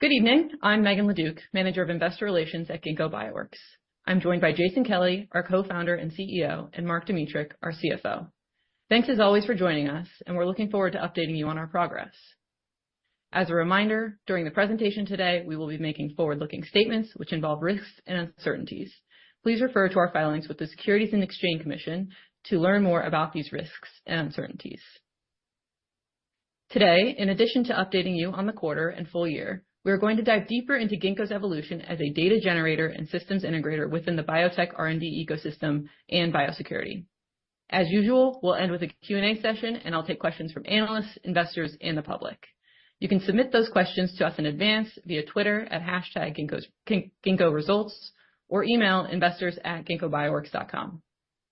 Good evening. I'm Megan LeDuc, Manager of Investor Relations at Ginkgo Bioworks. I'm joined by Jason Kelly, our Co-Founder and CEO, and Mark Dmytruk, our CFO. Thanks, as always, for joining us, and we're looking forward to updating you on our progress. As a reminder, during the presentation today, we will be making forward-looking statements which involve risks and uncertainties. Please refer to our filings with the Securities and Exchange Commission to learn more about these risks and uncertainties. Today, in addition to updating you on the quarter and full year, we are going to dive deeper into Ginkgo's evolution as a data generator and systems integrator within the biotech R&D ecosystem and biosecurity. As usual, we'll end with a Q&A session, and I'll take questions from analysts, investors, and the public. You can submit those questions to us in advance via Twitter at #Ginkgoresults or email investors@ginkgobioworks.com.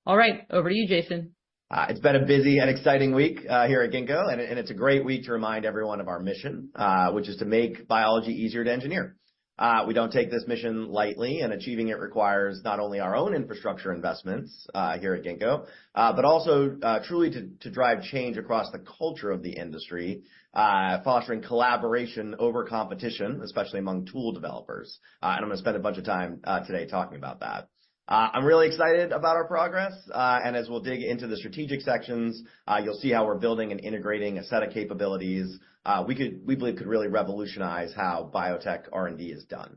All right, over to you, Jason. It's been a busy and exciting week here at Ginkgo, and it's a great week to remind everyone of our mission, which is to make biology easier to engineer. We don't take this mission lightly, and achieving it requires not only our own infrastructure investments here at Ginkgo, but also truly to drive change across the culture of the industry, fostering collaboration over competition, especially among tool developers. I'm going to spend a bunch of time today talking about that. I'm really excited about our progress, and as we'll dig into the strategic sections, you'll see how we're building and integrating a set of capabilities we believe could really revolutionize how biotech R&D is done.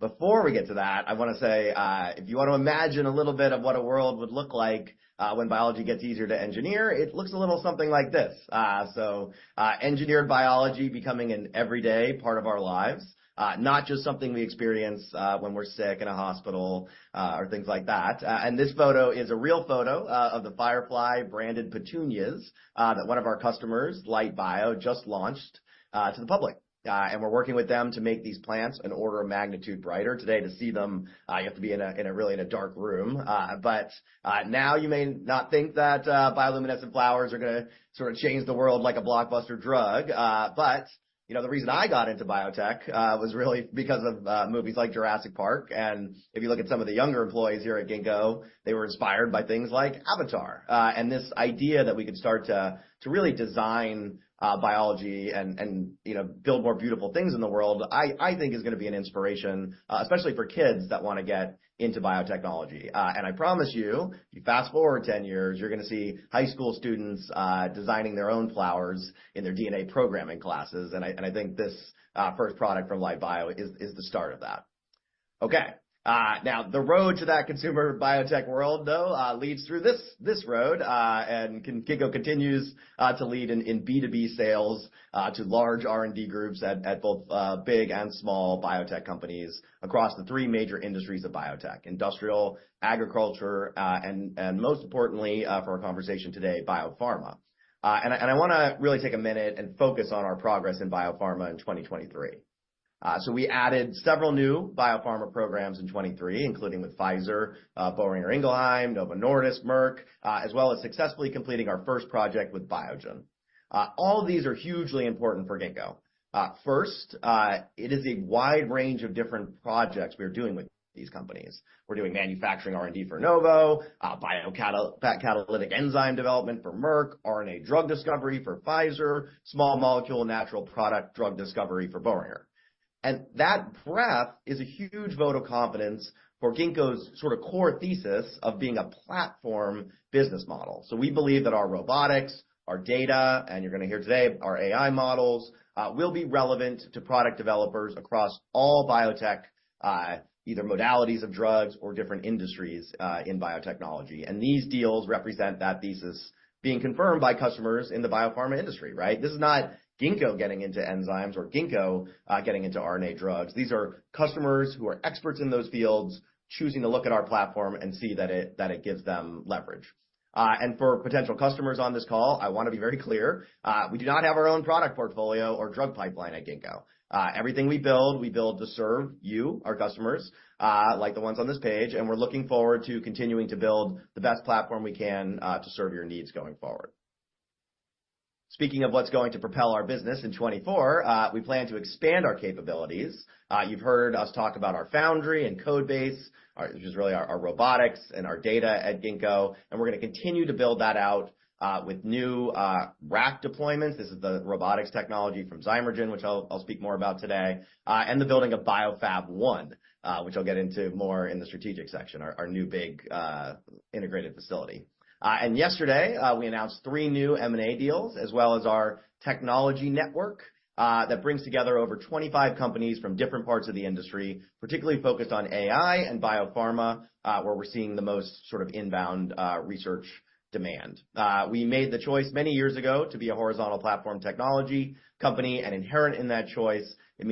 Before we get to that, I want to say, if you want to imagine a little bit of what a world would look like when biology gets easier to engineer, it looks a little something like this. So engineered biology becoming an everyday part of our lives, not just something we experience when we're sick in a hospital or things like that. And this photo is a real photo of the Firefly-branded petunias that one of our customers, Light Bio, just launched to the public. And we're working with them to make these plants an order of magnitude brighter. Today, to see them, you have to be in a really dark room. But now you may not think that bioluminescent flowers are going to sort of change the world like a blockbuster drug. But the reason I got into biotech was really because of movies like Jurassic Park. And if you look at some of the younger employees here at Ginkgo, they were inspired by things like Avatar. And this idea that we could start to really design biology and build more beautiful things in the world, I think, is going to be an inspiration, especially for kids that want to get into biotechnology. And I promise you, if you fast forward 10 years, you're going to see high school students designing their own flowers in their DNA programming classes. And I think this first product from Light Bio is the start of that. Okay. Now, the road to that consumer biotech world, though, leads through this road. And Ginkgo continues to lead in B2B sales to large R&D groups at both big and small biotech companies across the three major industries of biotech: industrial, agriculture, and most importantly, for our conversation today, biopharma. I want to really take a minute and focus on our progress in biopharma in 2023. We added several new biopharma programs in 2023, including with Pfizer, Boehringer Ingelheim, Novo Nordisk, Merck, as well as successfully completing our first project with Biogen. All of these are hugely important for Ginkgo. First, it is a wide range of different projects we are doing with these companies. We're doing manufacturing R&D for Novo, biocatalytic enzyme development for Merck, RNA drug discovery for Pfizer, small molecule natural product drug discovery for Boehringer. That breadth is a huge vote of confidence for Ginkgo's sort of core thesis of being a platform business model. We believe that our robotics, our data, and you're going to hear today, our AI models, will be relevant to product developers across all biotech, either modalities of drugs or different industries in biotechnology. These deals represent that thesis being confirmed by customers in the biopharma industry, right? This is not Ginkgo getting into enzymes or Ginkgo getting into RNA drugs. These are customers who are experts in those fields choosing to look at our platform and see that it gives them leverage. And for potential customers on this call, I want to be very clear. We do not have our own product portfolio or drug pipeline at Ginkgo. Everything we build, we build to serve you, our customers, like the ones on this page. And we're looking forward to continuing to build the best platform we can to serve your needs going forward. Speaking of what's going to propel our business in 2024, we plan to expand our capabilities. You've heard us talk about our Foundry and Codebase, which is really our robotics and our data at Ginkgo. And we're going to continue to build that out with new RAC deployments. This is the robotics technology from Zymergen, which I'll speak more about today, and the building of BioFab1, which I'll get into more in the strategic section, our new big integrated facility. And yesterday, we announced three new M&A deals, as well as our Technology Network that brings together over 25 companies from different parts of the industry, particularly focused on AI and biopharma, where we're seeing the most sort of inbound research demand. We made the choice many years ago to be a horizontal platform technology company. And inherent in that choice, it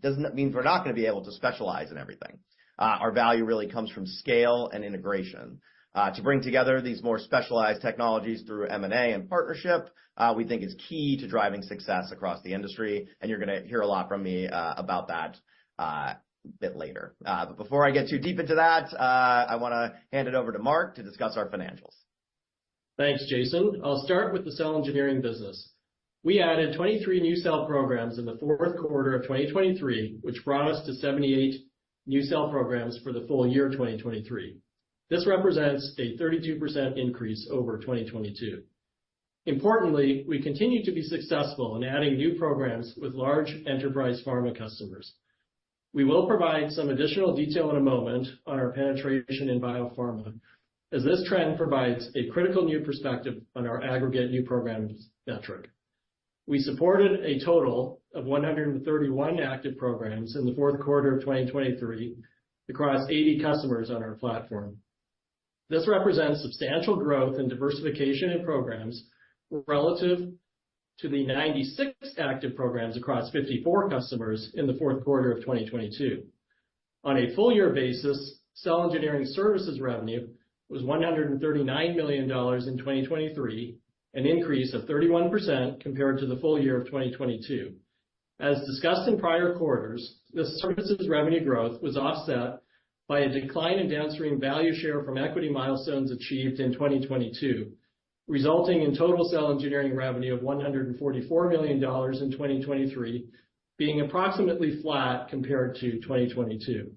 doesn't mean we're not going to be able to specialize in everything. Our value really comes from scale and integration. To bring together these more specialized technologies through M&A and partnership, we think, is key to driving success across the industry. You're going to hear a lot from me about that a bit later. Before I get too deep into that, I want to hand it over to Mark to discuss our financials. Thanks, Jason. I'll start with the cell engineering business. We added 23 new cell programs in the fourth quarter of 2023, which brought us to 78 new cell programs for the full year 2023. This represents a 32% increase over 2022. Importantly, we continue to be successful in adding new programs with large enterprise pharma customers. We will provide some additional detail in a moment on our penetration in biopharma, as this trend provides a critical new perspective on our aggregate new programs metric. We supported a total of 131 active programs in the fourth quarter of 2023 across 80 customers on our platform. This represents substantial growth and diversification in programs relative to the 96 active programs across 54 customers in the fourth quarter of 2022. On a full-year basis, cell engineering services revenue was $139 million in 2023, an increase of 31% compared to the full year of 2022. As discussed in prior quarters, this services revenue growth was offset by a decline in downstream value share from equity milestones achieved in 2022, resulting in total cell engineering revenue of $144 million in 2023, being approximately flat compared to 2022.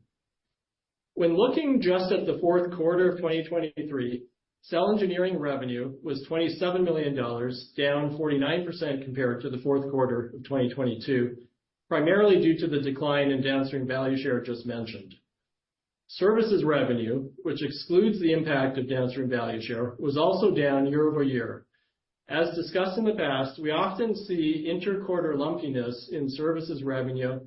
When looking just at the fourth quarter of 2023, cell engineering revenue was $27 million, down 49% compared to the fourth quarter of 2022, primarily due to the decline in downstream value share just mentioned. Services revenue, which excludes the impact of downstream value share, was also down year-over-year. As discussed in the past, we often see interquarter lumpiness in services revenue,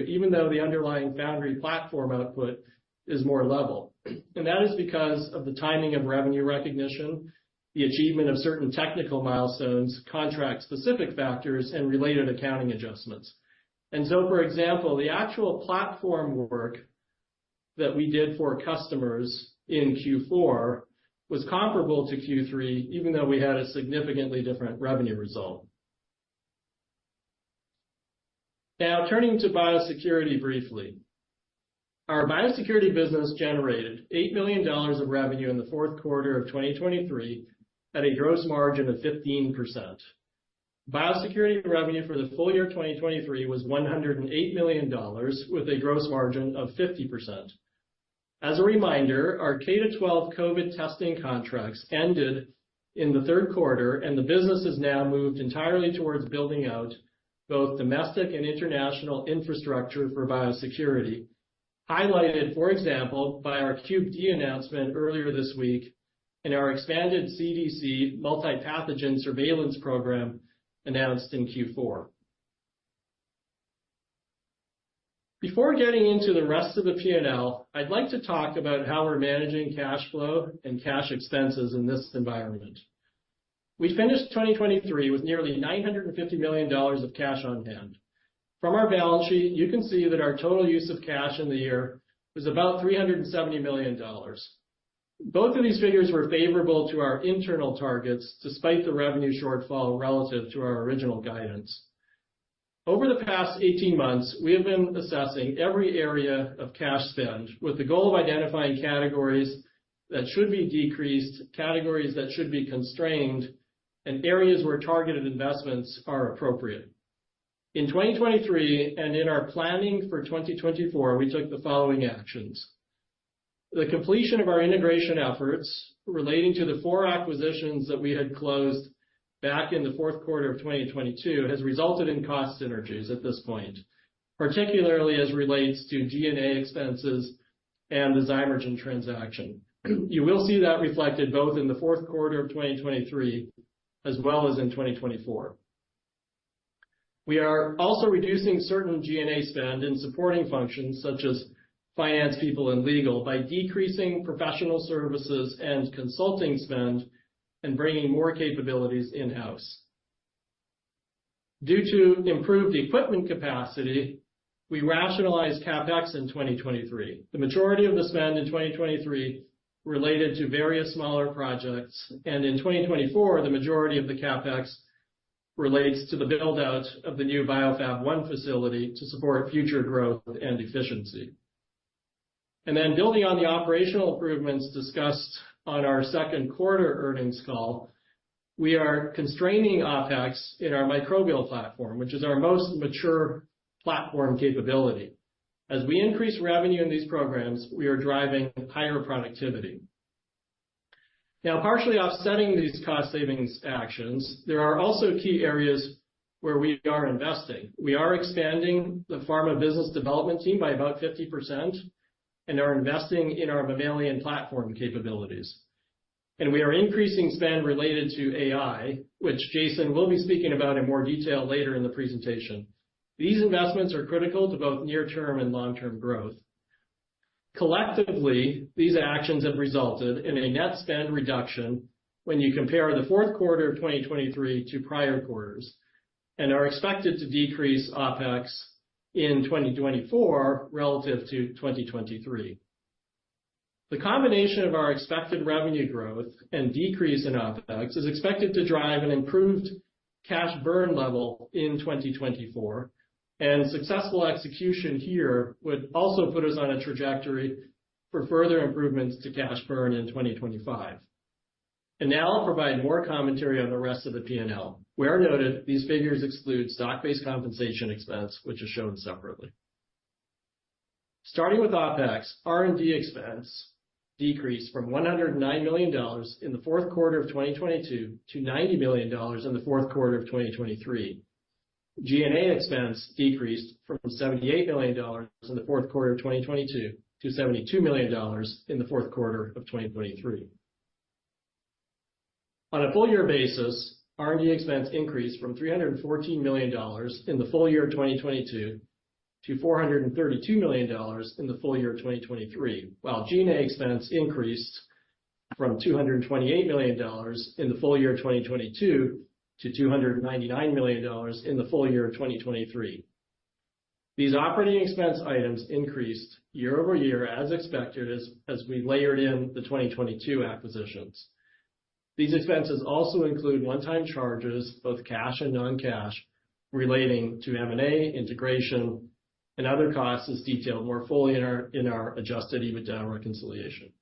even though the underlying foundry platform output is more level. That is because of the timing of revenue recognition, the achievement of certain technical milestones, contract-specific factors, and related accounting adjustments. So, for example, the actual platform work that we did for customers in Q4 was comparable to Q3, even though we had a significantly different revenue result. Now, turning to biosecurity briefly. Our biosecurity business generated $8 million of revenue in the fourth quarter of 2023 at a gross margin of 15%. Biosecurity revenue for the full year 2023 was $108 million, with a gross margin of 50%. As a reminder, our K-12 COVID testing contracts ended in the third quarter, and the business has now moved entirely towards building out both domestic and international infrastructure for biosecurity, highlighted, for example, by our CUBE-D announcement earlier this week and our expanded CDC Multipathogen Surveillance Program announced in Q4. Before getting into the rest of the P&L, I'd like to talk about how we're managing cash flow and cash expenses in this environment. We finished 2023 with nearly $950 million of cash on hand. From our balance sheet, you can see that our total use of cash in the year was about $370 million. Both of these figures were favorable to our internal targets, despite the revenue shortfall relative to our original guidance. Over the past 18 months, we have been assessing every area of cash spend with the goal of identifying categories that should be decreased, categories that should be constrained, and areas where targeted investments are appropriate. In 2023 and in our planning for 2024, we took the following actions. The completion of our integration efforts relating to the 4 acquisitions that we had closed back in the fourth quarter of 2022 has resulted in cost synergies at this point, particularly as relates to DNA expenses and the Zymergen transaction. You will see that reflected both in the fourth quarter of 2023 as well as in 2024. We are also reducing certain DNA spend in supporting functions such as finance, people, and legal by decreasing professional services and consulting spend and bringing more capabilities in-house. Due to improved equipment capacity, we rationalized CapEx in 2023. The majority of the spend in 2023 related to various smaller projects. In 2024, the majority of the CapEx relates to the buildout of the new BioFab1 facility to support future growth and efficiency. And then, building on the operational improvements discussed on our second quarter earnings call, we are constraining OpEx in our microbial platform, which is our most mature platform capability. As we increase revenue in these programs, we are driving higher productivity. Now, partially offsetting these cost savings actions, there are also key areas where we are investing. We are expanding the pharma business development team by about 50% and are investing in our mammalian platform capabilities. And we are increasing spend related to AI, which Jason will be speaking about in more detail later in the presentation. These investments are critical to both near-term and long-term growth. Collectively, these actions have resulted in a net spend reduction when you compare the fourth quarter of 2023 to prior quarters and are expected to decrease OpEx in 2024 relative to 2023. The combination of our expected revenue growth and decrease in OpEx is expected to drive an improved cash burn level in 2024. Successful execution here would also put us on a trajectory for further improvements to cash burn in 2025. Now I'll provide more commentary on the rest of the P&L. Where noted, these figures exclude stock-based compensation expense, which is shown separately. Starting with OpEx, R&D expense decreased from $109 million in the fourth quarter of 2022 to $90 million in the fourth quarter of 2023. DNA expense decreased from $78 million in the fourth quarter of 2022 to $72 million in the fourth quarter of 2023. On a full-year basis, R&D expense increased from $314 million in the full year 2022 to $432 million in the full year 2023, while DNA expense increased from $228 million in the full year 2022 to $299 million in the full year 2023. These operating expense items increased year-over-year as expected as we layered in the 2022 acquisitions. These expenses also include one-time charges, both cash and non-cash, relating to M&A, integration, and other costs as detailed more fully in our Adjusted EBITDA reconciliation.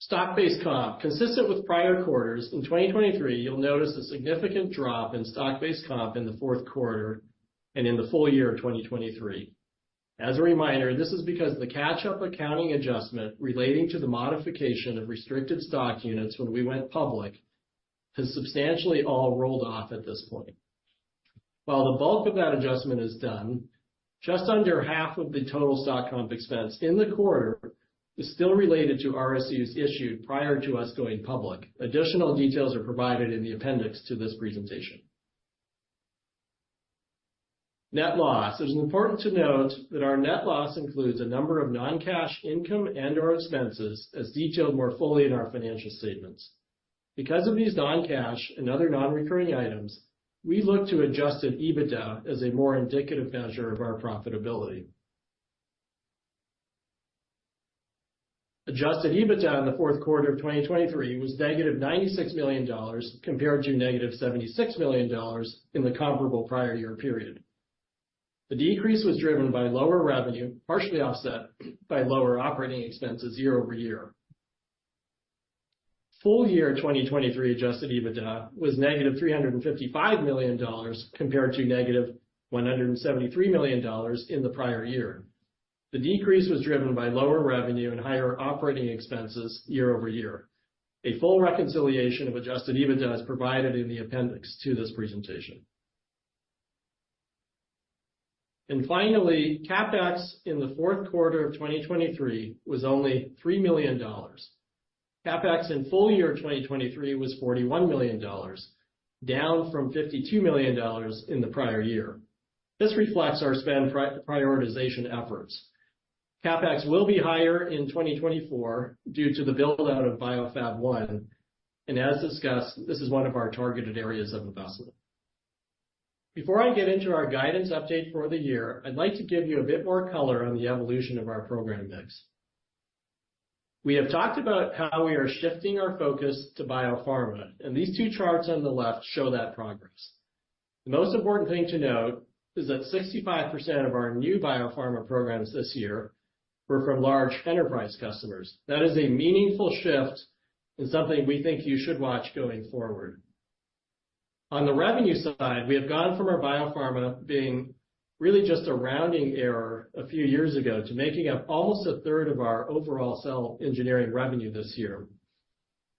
Stock-based comp, consistent with prior quarters, in 2023, you'll notice a significant drop in stock-based comp in the fourth quarter and in the full year 2023. As a reminder, this is because the catch-up accounting adjustment relating to the modification of restricted stock units when we went public has substantially all rolled off at this point. While the bulk of that adjustment is done, just under half of the total stock comp expense in the quarter is still related to RSUs issued prior to us going public. Additional details are provided in the appendix to this presentation. Net loss. It is important to note that our net loss includes a number of non-cash income and/or expenses as detailed more fully in our financial statements. Because of these non-cash and other non-recurring items, we look to Adjusted EBITDA as a more indicative measure of our profitability. Adjusted EBITDA in the fourth quarter of 2023 was negative $96 million compared to negative $76 million in the comparable prior year period. The decrease was driven by lower revenue, partially offset by lower operating expenses year-over-year. Full year 2023 Adjusted EBITDA was negative $355 million compared to negative $173 million in the prior year. The decrease was driven by lower revenue and higher operating expenses year-over-year. A full reconciliation of adjusted EBITDA is provided in the appendix to this presentation. Finally, CapEx in the fourth quarter of 2023 was only $3 million. CapEx in full year 2023 was $41 million, down from $52 million in the prior year. This reflects our spend prioritization efforts. CapEx will be higher in 2024 due to the buildout of BioFab1. As discussed, this is one of our targeted areas of investment. Before I get into our guidance update for the year, I'd like to give you a bit more color on the evolution of our program mix. We have talked about how we are shifting our focus to biopharma, and these two charts on the left show that progress. The most important thing to note is that 65% of our new biopharma programs this year were from large enterprise customers. That is a meaningful shift and something we think you should watch going forward. On the revenue side, we have gone from our biopharma being really just a rounding error a few years ago to making up almost a third of our overall cell engineering revenue this year.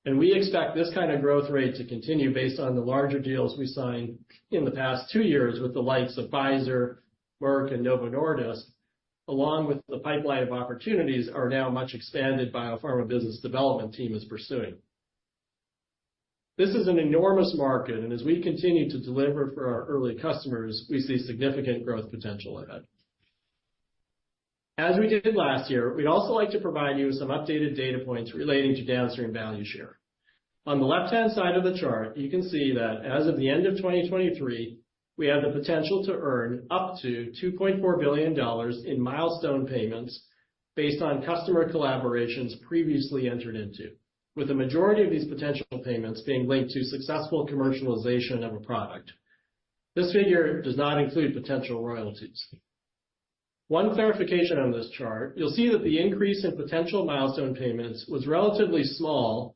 We expect this kind of growth rate to continue based on the larger deals we signed in the past 2 years with the likes of Pfizer, Merck, and Novo Nordisk, along with the pipeline of opportunities our now much expanded biopharma business development team is pursuing. This is an enormous market, and as we continue to deliver for our early customers, we see significant growth potential ahead. As we did last year, we'd also like to provide you with some updated data points relating to Downstream Value Share. On the left-hand side of the chart, you can see that as of the end of 2023, we have the potential to earn up to $2.4 billion in milestone payments based on customer collaborations previously entered into, with the majority of these potential payments being linked to successful commercialization of a product. This figure does not include potential royalties. One clarification on this chart, you'll see that the increase in potential milestone payments was relatively small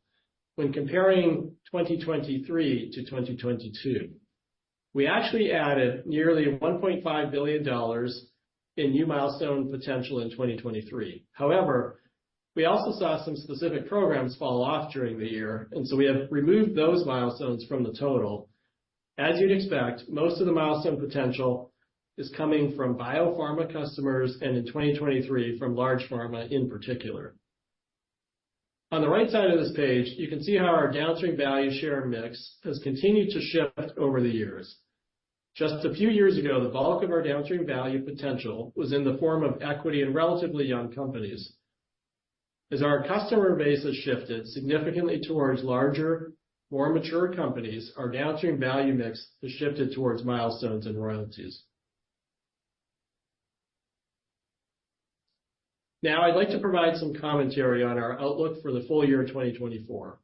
when comparing 2023 to 2022. We actually added nearly $1.5 billion in new milestone potential in 2023. However, we also saw some specific programs fall off during the year, and so we have removed those milestones from the total. As you'd expect, most of the milestone potential is coming from biopharma customers and, in 2023, from large pharma in particular. On the right side of this page, you can see how our downstream value share mix has continued to shift over the years. Just a few years ago, the bulk of our downstream value potential was in the form of equity in relatively young companies. As our customer base has shifted significantly towards larger, more mature companies, our downstream value mix has shifted towards milestones and royalties. Now, I'd like to provide some commentary on our outlook for the full year 2024.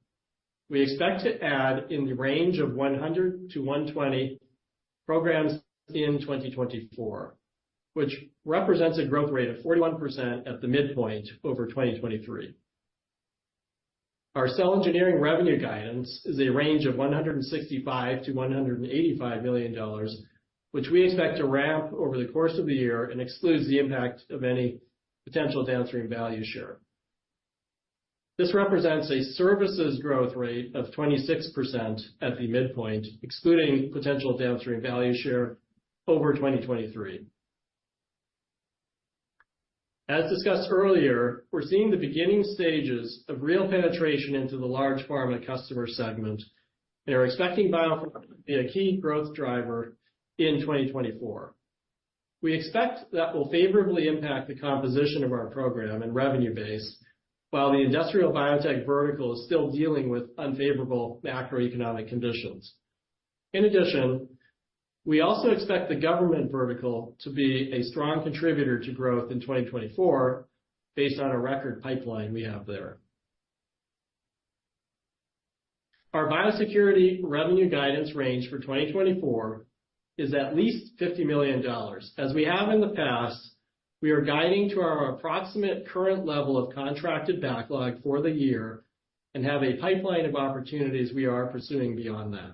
We expect to add in the range of 100-120 programs in 2024, which represents a growth rate of 41% at the midpoint over 2023. Our cell engineering revenue guidance is a range of $165-$185 million, which we expect to ramp over the course of the year and excludes the impact of any potential Downstream Value Share. This represents a services growth rate of 26% at the midpoint, excluding potential Downstream Value Share over 2023. As discussed earlier, we're seeing the beginning stages of real penetration into the large pharma customer segment and are expecting biopharma to be a key growth driver in 2024. We expect that will favorably impact the composition of our program and revenue base, while the industrial biotech vertical is still dealing with unfavorable macroeconomic conditions. In addition, we also expect the government vertical to be a strong contributor to growth in 2024 based on a record pipeline we have there. Our biosecurity revenue guidance range for 2024 is at least $50 million. As we have in the past, we are guiding to our approximate current level of contracted backlog for the year and have a pipeline of opportunities we are pursuing beyond that.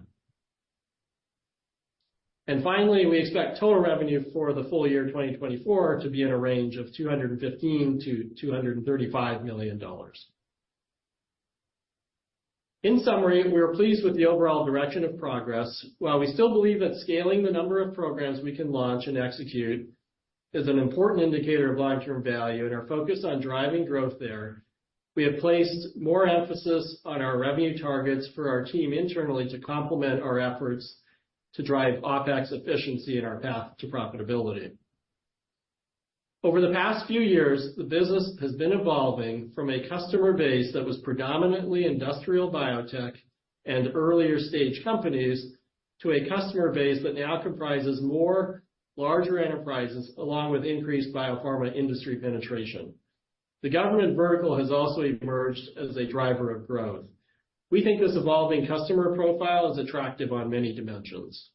Finally, we expect total revenue for the full year 2024 to be in a range of $215 million-$235 million. In summary, we are pleased with the overall direction of progress. While we still believe that scaling the number of programs we can launch and execute is an important indicator of long-term value and our focus on driving growth there, we have placed more emphasis on our revenue targets for our team internally to complement our efforts to drive OpEx efficiency in our path to profitability. Over the past few years, the business has been evolving from a customer base that was predominantly industrial biotech and earlier stage companies to a customer base that now comprises more larger enterprises along with increased biopharma industry penetration. The government vertical has also emerged as a driver of growth. We think this evolving customer profile is attractive on many dimensions.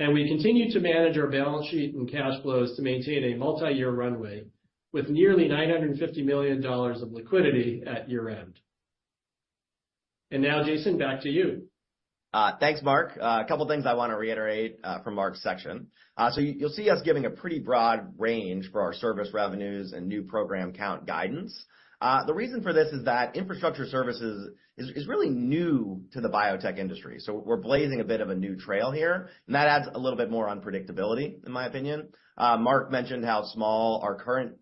We continue to manage our balance sheet and cash flows to maintain a multi-year runway with nearly $950 million of liquidity at year-end. Now, Jason, back to you. Thanks, Mark. A couple of things I want to reiterate from Mark's section. So you'll see us giving a pretty broad range for our service revenues and new program count guidance. The reason for this is that infrastructure services is really new to the biotech industry. So we're blazing a bit of a new trail here, and that adds a little bit more unpredictability, in my opinion. Mark mentioned how small our current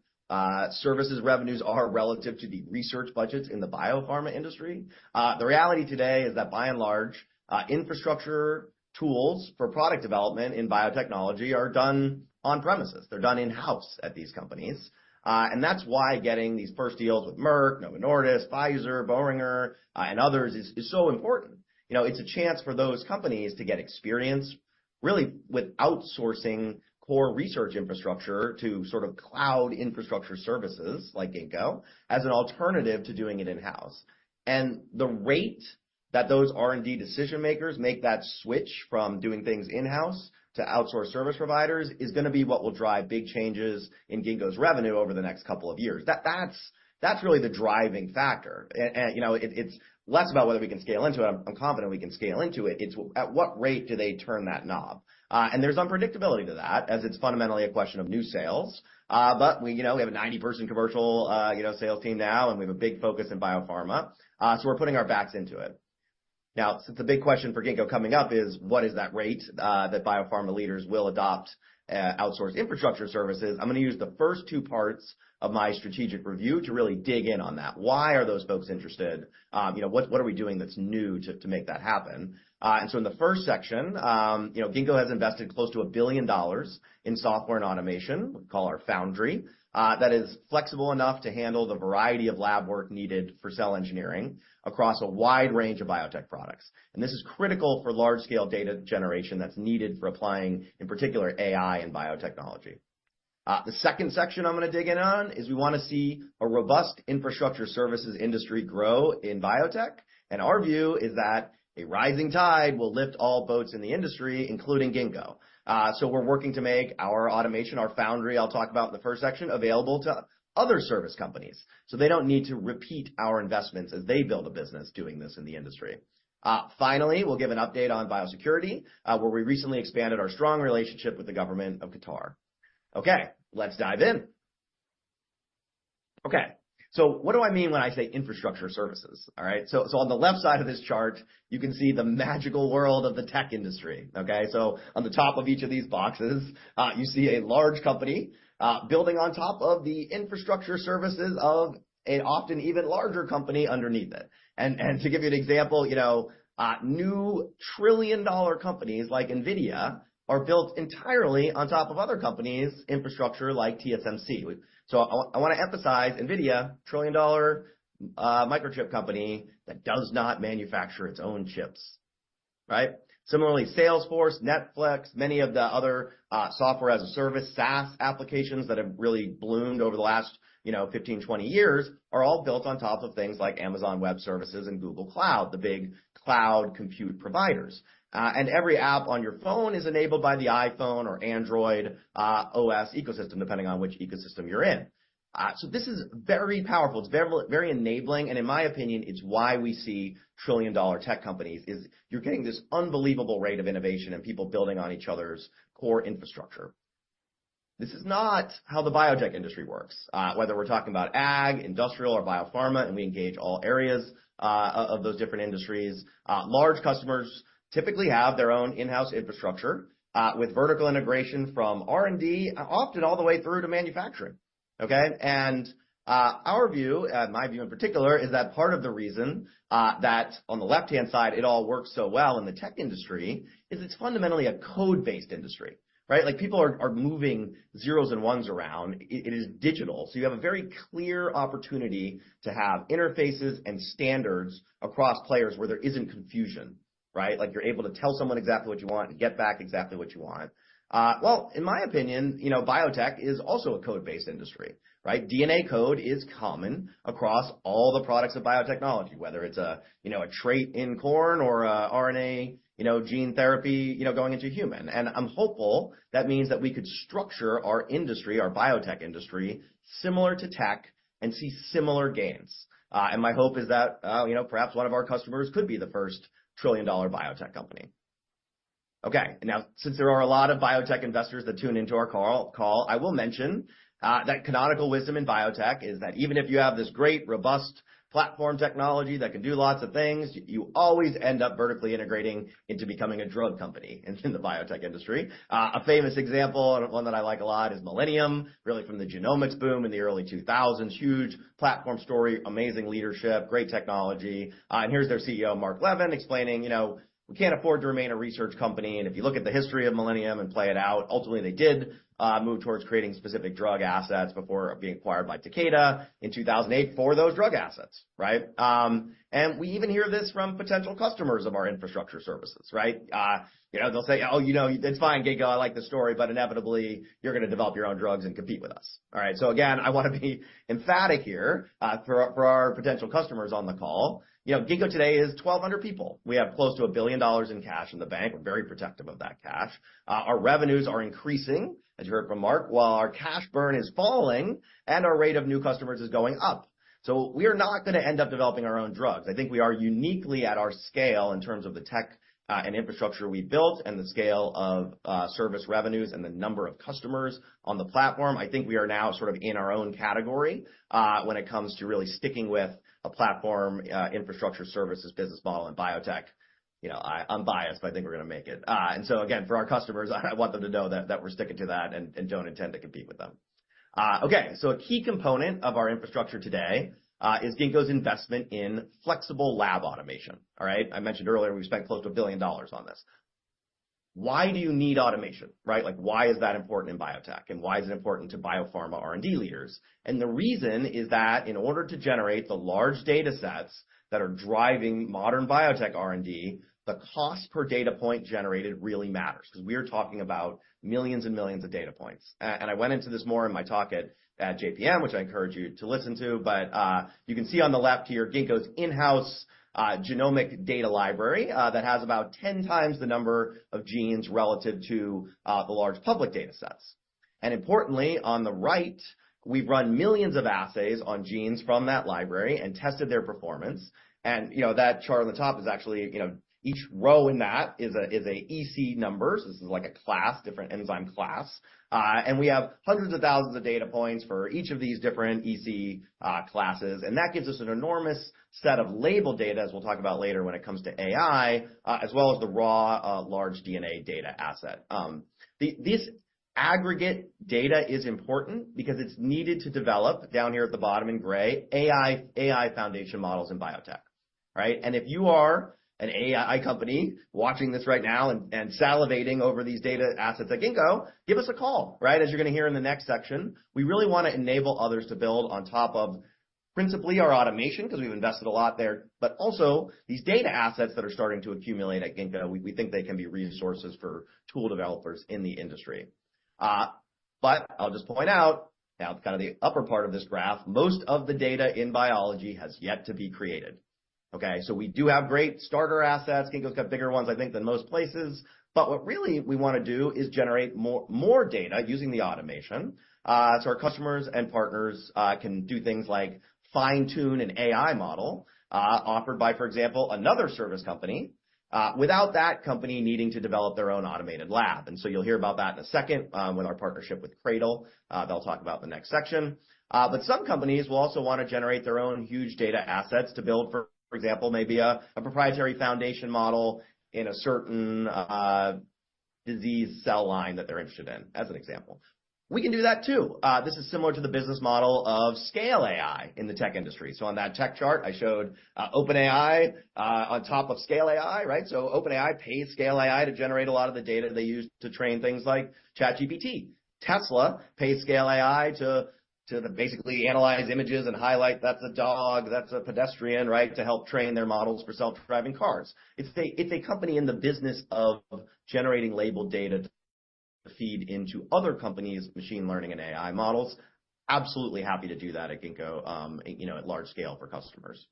services revenues are relative to the research budgets in the biopharma industry. The reality today is that, by and large, infrastructure tools for product development in biotechnology are done on premises. They're done in-house at these companies. And that's why getting these first deals with Merck, Novo Nordisk, Pfizer, Boehringer, and others is so important. It's a chance for those companies to get experience really with outsourcing core research infrastructure to sort of cloud infrastructure services like Ginkgo as an alternative to doing it in-house. And the rate that those R&D decision makers make that switch from doing things in-house to outsource service providers is going to be what will drive big changes in Ginkgo's revenue over the next couple of years. That's really the driving factor. And it's less about whether we can scale into it. I'm confident we can scale into it. It's at what rate do they turn that knob? And there's unpredictability to that as it's fundamentally a question of new sales. But we have a 90-person commercial sales team now, and we have a big focus in biopharma. So we're putting our backs into it. Now, since the big question for Ginkgo coming up is what is that rate that biopharma leaders will adopt outsource infrastructure services, I'm going to use the first two parts of my strategic review to really dig in on that. Why are those folks interested? What are we doing that's new to make that happen? And so in the first section, Ginkgo has invested close to $1 billion in software and automation, what we call our Foundry, that is flexible enough to handle the variety of lab work needed for cell engineering across a wide range of biotech products. And this is critical for large-scale data generation that's needed for applying, in particular, AI and biotechnology. The second section I'm going to dig in on is we want to see a robust infrastructure services industry grow in biotech. Our view is that a rising tide will lift all boats in the industry, including Ginkgo. We're working to make our automation, our Foundry I'll talk about in the first section available to other service companies so they don't need to repeat our investments as they build a business doing this in the industry. Finally, we'll give an update on biosecurity where we recently expanded our strong relationship with the government of Qatar. Okay, let's dive in. Okay, so what do I mean when I say infrastructure services? All right? On the left side of this chart, you can see the magical world of the tech industry. Okay? On the top of each of these boxes, you see a large company building on top of the infrastructure services of an often even larger company underneath it. To give you an example, new trillion-dollar companies like NVIDIA are built entirely on top of other companies' infrastructure like TSMC. I want to emphasize NVIDIA, trillion-dollar microchip company that does not manufacture its own chips. Right? Similarly, Salesforce, Netflix, many of the other software as a service SaaS applications that have really bloomed over the last 15, 20 years are all built on top of things like Amazon Web Services and Google Cloud, the big cloud compute providers. Every app on your phone is enabled by the iPhone or Android OS ecosystem, depending on which ecosystem you're in. This is very powerful. It's very enabling. In my opinion, it's why we see trillion-dollar tech companies is you're getting this unbelievable rate of innovation and people building on each other's core infrastructure. This is not how the biotech industry works, whether we're talking about ag, industrial, or biopharma, and we engage all areas of those different industries. Large customers typically have their own in-house infrastructure with vertical integration from R&D, often all the way through to manufacturing. Okay? And our view, my view in particular, is that part of the reason that on the left-hand side, it all works so well in the tech industry is it's fundamentally a code-based industry. Right? People are moving zeros and ones around. It is digital. So you have a very clear opportunity to have interfaces and standards across players where there isn't confusion. Right? You're able to tell someone exactly what you want and get back exactly what you want. Well, in my opinion, biotech is also a code-based industry. Right? DNA code is common across all the products of biotechnology, whether it's a trait in corn or RNA gene therapy going into human. I'm hopeful that means that we could structure our industry, our biotech industry, similar to tech and see similar gains. My hope is that perhaps one of our customers could be the first trillion-dollar biotech company. Okay, now, since there are a lot of biotech investors that tune into our call, I will mention that canonical wisdom in biotech is that even if you have this great, robust platform technology that can do lots of things, you always end up vertically integrating into becoming a drug company in the biotech industry. A famous example, one that I like a lot, is Millennium, really from the genomics boom in the early 2000s, huge platform story, amazing leadership, great technology. And here's their CEO, Mark Levin, explaining, "We can't afford to remain a research company." And if you look at the history of Millennium and play it out, ultimately, they did move towards creating specific drug assets before being acquired by Takeda in 2008 for those drug assets. Right? And we even hear this from potential customers of our infrastructure services. Right? They'll say, "Oh, it's fine, Ginkgo. I like the story. But inevitably, you're going to develop your own drugs and compete with us." All right? So again, I want to be emphatic here for our potential customers on the call. Ginkgo today is 1,200 people. We have close to $1 billion in cash in the bank. We're very protective of that cash. Our revenues are increasing, as you heard from Mark, while our cash burn is falling and our rate of new customers is going up. So we are not going to end up developing our own drugs. I think we are uniquely at our scale in terms of the tech and infrastructure we built and the scale of service revenues and the number of customers on the platform. I think we are now sort of in our own category when it comes to really sticking with a platform infrastructure services business model in biotech. I'm biased, but I think we're going to make it. And so again, for our customers, I want them to know that we're sticking to that and don't intend to compete with them. Okay, so a key component of our infrastructure today is Ginkgo's investment in flexible lab automation. All right? I mentioned earlier, we spent close to $1 billion on this. Why do you need automation? Right? Why is that important in biotech? Why is it important to biopharma R&D leaders? The reason is that in order to generate the large data sets that are driving modern biotech R&D, the cost per data point generated really matters because we are talking about millions and millions of data points. I went into this more in my talk at JPM, which I encourage you to listen to. But you can see on the left here, Ginkgo's in-house genomic data library that has about 10 times the number of genes relative to the large public data sets. Importantly, on the right, we've run millions of assays on genes from that library and tested their performance. That chart on the top is actually each row in that is an EC number. So this is like a class, different enzyme class. We have hundreds of thousands of data points for each of these different EC classes. That gives us an enormous set of label data, as we'll talk about later, when it comes to AI, as well as the raw large DNA data asset. This aggregate data is important because it's needed to develop, down here at the bottom in gray, AI Foundation Models in biotech. Right? If you are an AI company watching this right now and salivating over these data assets at Ginkgo, give us a call. Right? As you're going to hear in the next section, we really want to enable others to build on top of principally our automation because we've invested a lot there. But also these data assets that are starting to accumulate at Ginkgo, we think they can be resources for tool developers in the industry. But I'll just point out, now kind of the upper part of this graph, most of the data in biology has yet to be created. Okay? So we do have great starter assets. Ginkgo's got bigger ones, I think, than most places. But what really we want to do is generate more data using the automation so our customers and partners can do things like fine-tune an AI model offered by, for example, another service company without that company needing to develop their own automated lab. And so you'll hear about that in a second with our partnership with Cradle. That'll talk about the next section. But some companies will also want to generate their own huge data assets to build, for example, maybe a proprietary foundation model in a certain disease cell line that they're interested in, as an example. We can do that too. This is similar to the business model of Scale AI in the tech industry. So on that tech chart, I showed OpenAI on top of Scale AI. Right? So OpenAI pays Scale AI to generate a lot of the data they use to train things like ChatGPT. Tesla pays Scale AI to basically analyze images and highlight, "That's a dog. That's a pedestrian," right, to help train their models for self-driving cars. It's a company in the business of generating labeled data to feed into other companies' machine learning and AI models, absolutely happy to do that at Ginkgo at large scale for customers.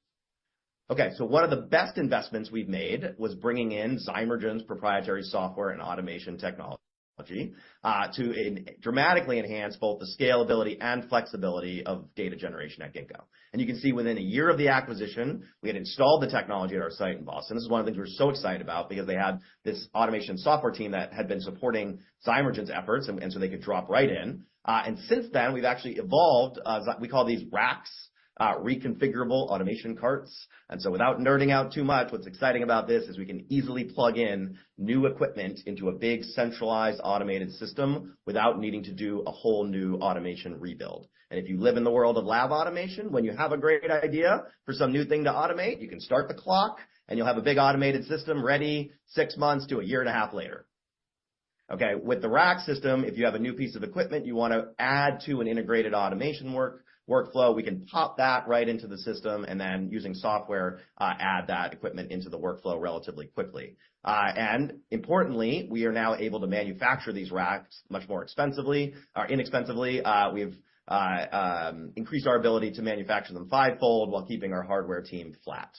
Okay, so one of the best investments we've made was bringing in Zymergen's proprietary software and automation technology to dramatically enhance both the scalability and flexibility of data generation at Ginkgo. You can see within a year of the acquisition, we had installed the technology at our site in Boston. This is one of the things we were so excited about because they had this automation software team that had been supporting Zymergen's efforts, and so they could drop right in. Since then, we've actually evolved. We call these RACs, reconfigurable automation carts. So without nerding out too much, what's exciting about this is we can easily plug in new equipment into a big centralized automated system without needing to do a whole new automation rebuild. If you live in the world of lab automation, when you have a great idea for some new thing to automate, you can start the clock, and you'll have a big automated system ready six months to a year and a half later. Okay, with the RAC system, if you have a new piece of equipment you want to add to an integrated automation workflow, we can pop that right into the system and then, using software, add that equipment into the workflow relatively quickly. And importantly, we are now able to manufacture these RACs much more inexpensively. We've increased our ability to manufacture them fivefold while keeping our hardware team flat.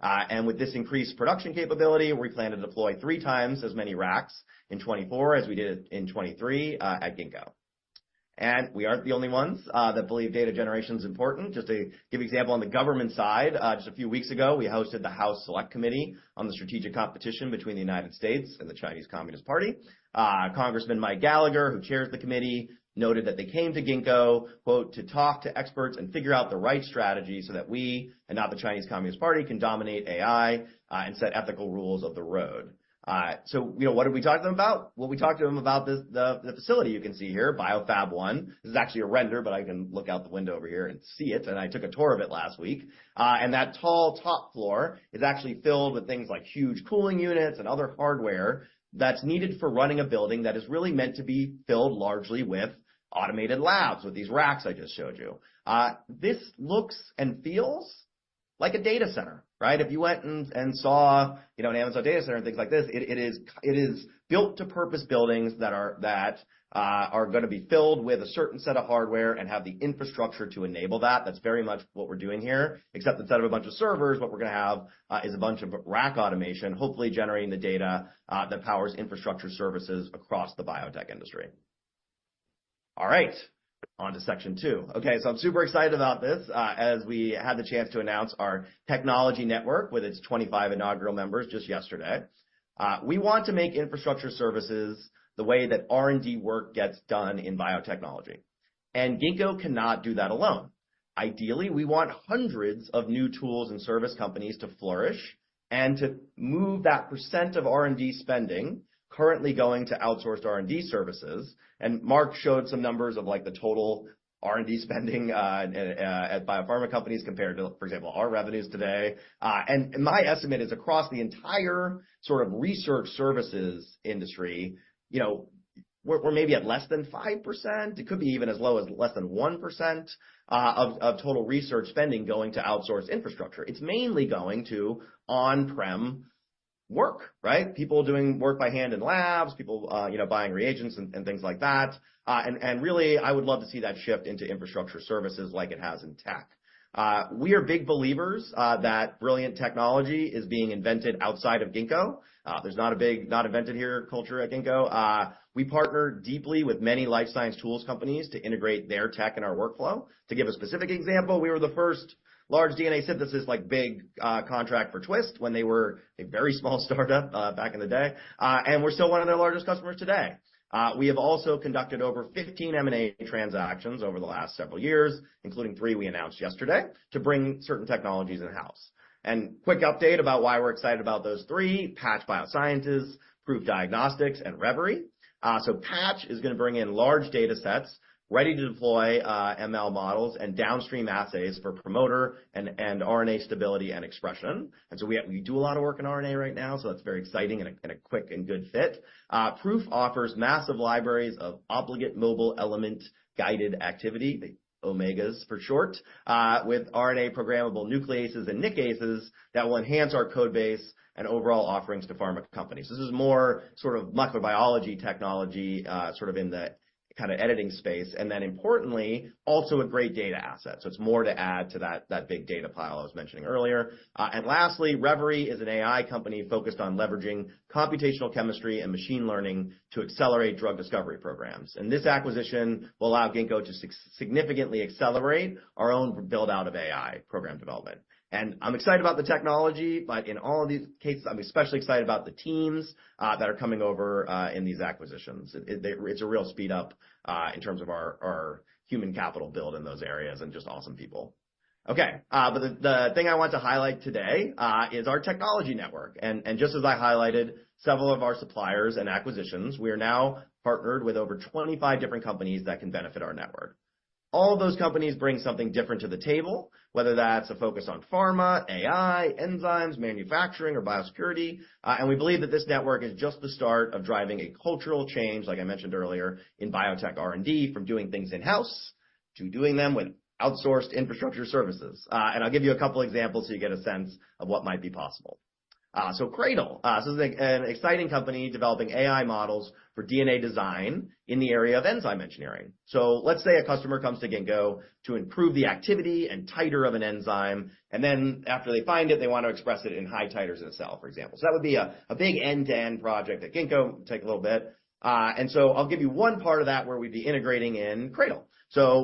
And with this increased production capability, we plan to deploy three times as many RACs in 2024 as we did in 2023 at Ginkgo. And we aren't the only ones that believe data generation is important. Just to give an example on the government side, just a few weeks ago, we hosted the House Select Committee on the Strategic Competition between the United States and the Chinese Communist Party. Congressman Mike Gallagher, who chairs the committee, noted that they came to Ginkgo, "To talk to experts and figure out the right strategy so that we and not the Chinese Communist Party can dominate AI and set ethical rules of the road." So what did we talk to them about? Well, we talked to them about the facility you can see here, BioFab1. This is actually a render, but I can look out the window over here and see it. And I took a tour of it last week. And that tall top floor is actually filled with things like huge cooling units and other hardware that's needed for running a building that is really meant to be filled largely with automated labs with these RACs I just showed you. This looks and feels like a data center. Right? If you went and saw an Amazon data center and things like this, it is built-to-purpose buildings that are going to be filled with a certain set of hardware and have the infrastructure to enable that. That's very much what we're doing here, except instead of a bunch of servers, what we're going to have is a bunch of RAC automation, hopefully generating the data that powers infrastructure services across the biotech industry. All right, on to section two. Okay, so I'm super excited about this as we had the chance to announce our technology network with its 25 inaugural members just yesterday. We want to make infrastructure services the way that R&D work gets done in biotechnology. Ginkgo cannot do that alone. Ideally, we want hundreds of new tools and service companies to flourish and to move that percent of R&D spending currently going to outsourced R&D services. Mark showed some numbers of the total R&D spending at biopharma companies compared to, for example, our revenues today. My estimate is across the entire sort of research services industry, we're maybe at less than 5%. It could be even as low as less than 1% of total research spending going to outsourced infrastructure. It's mainly going to on-prem work. Right? People doing work by hand in labs, people buying reagents and things like that. Really, I would love to see that shift into infrastructure services like it has in tech. We are big believers that brilliant technology is being invented outside of Ginkgo. There's not a big "not invented here" culture at Ginkgo. We partner deeply with many life science tools companies to integrate their tech in our workflow. To give a specific example, we were the first large DNA synthesis big contract for Twist when they were a very small startup back in the day. We're still one of their largest customers today. We have also conducted over 15 M&A transactions over the last several years, including three we announced yesterday, to bring certain technologies in-house. Quick update about why we're excited about those three: Patch Biosciences, Proof Diagnostics, and Reverie. So Patch is going to bring in large data sets ready to deploy ML models and downstream assays for promoter and RNA stability and expression. And so we do a lot of work in RNA right now, so that's very exciting and a quick and good fit. Proof offers massive libraries of Obligate Mobile Element Guided Activity, the OMEGAs for short, with RNA programmable nucleases and nucleases that will enhance our Codebase and overall offerings to pharma companies. This is more sort of microbiology technology sort of in the kind of editing space. And then importantly, also a great data asset. So it's more to add to that big data pile I was mentioning earlier. And lastly, Reverie is an AI company focused on leveraging computational chemistry and machine learning to accelerate drug discovery programs. And this acquisition will allow Ginkgo to significantly accelerate our own build-out of AI program development. And I'm excited about the technology, but in all of these cases, I'm especially excited about the teams that are coming over in these acquisitions. It's a real speed-up in terms of our human capital build in those areas and just awesome people. Okay, but the thing I want to highlight today is our technology network. Just as I highlighted, several of our suppliers and acquisitions, we are now partnered with over 25 different companies that can benefit our network. All of those companies bring something different to the table, whether that's a focus on pharma, AI, enzymes, manufacturing, or biosecurity. We believe that this network is just the start of driving a cultural change, like I mentioned earlier, in biotech R&D from doing things in-house to doing them with outsourced infrastructure services. I'll give you a couple of examples so you get a sense of what might be possible. Cradle is an exciting company developing AI models for DNA design in the area of enzyme engineering. Let's say a customer comes to Ginkgo to improve the activity and titer of an enzyme. Then after they find it, they want to express it in high titers in a cell, for example. That would be a big end-to-end project at Ginkgo, take a little bit. I'll give you one part of that where we'd be integrating in Cradle.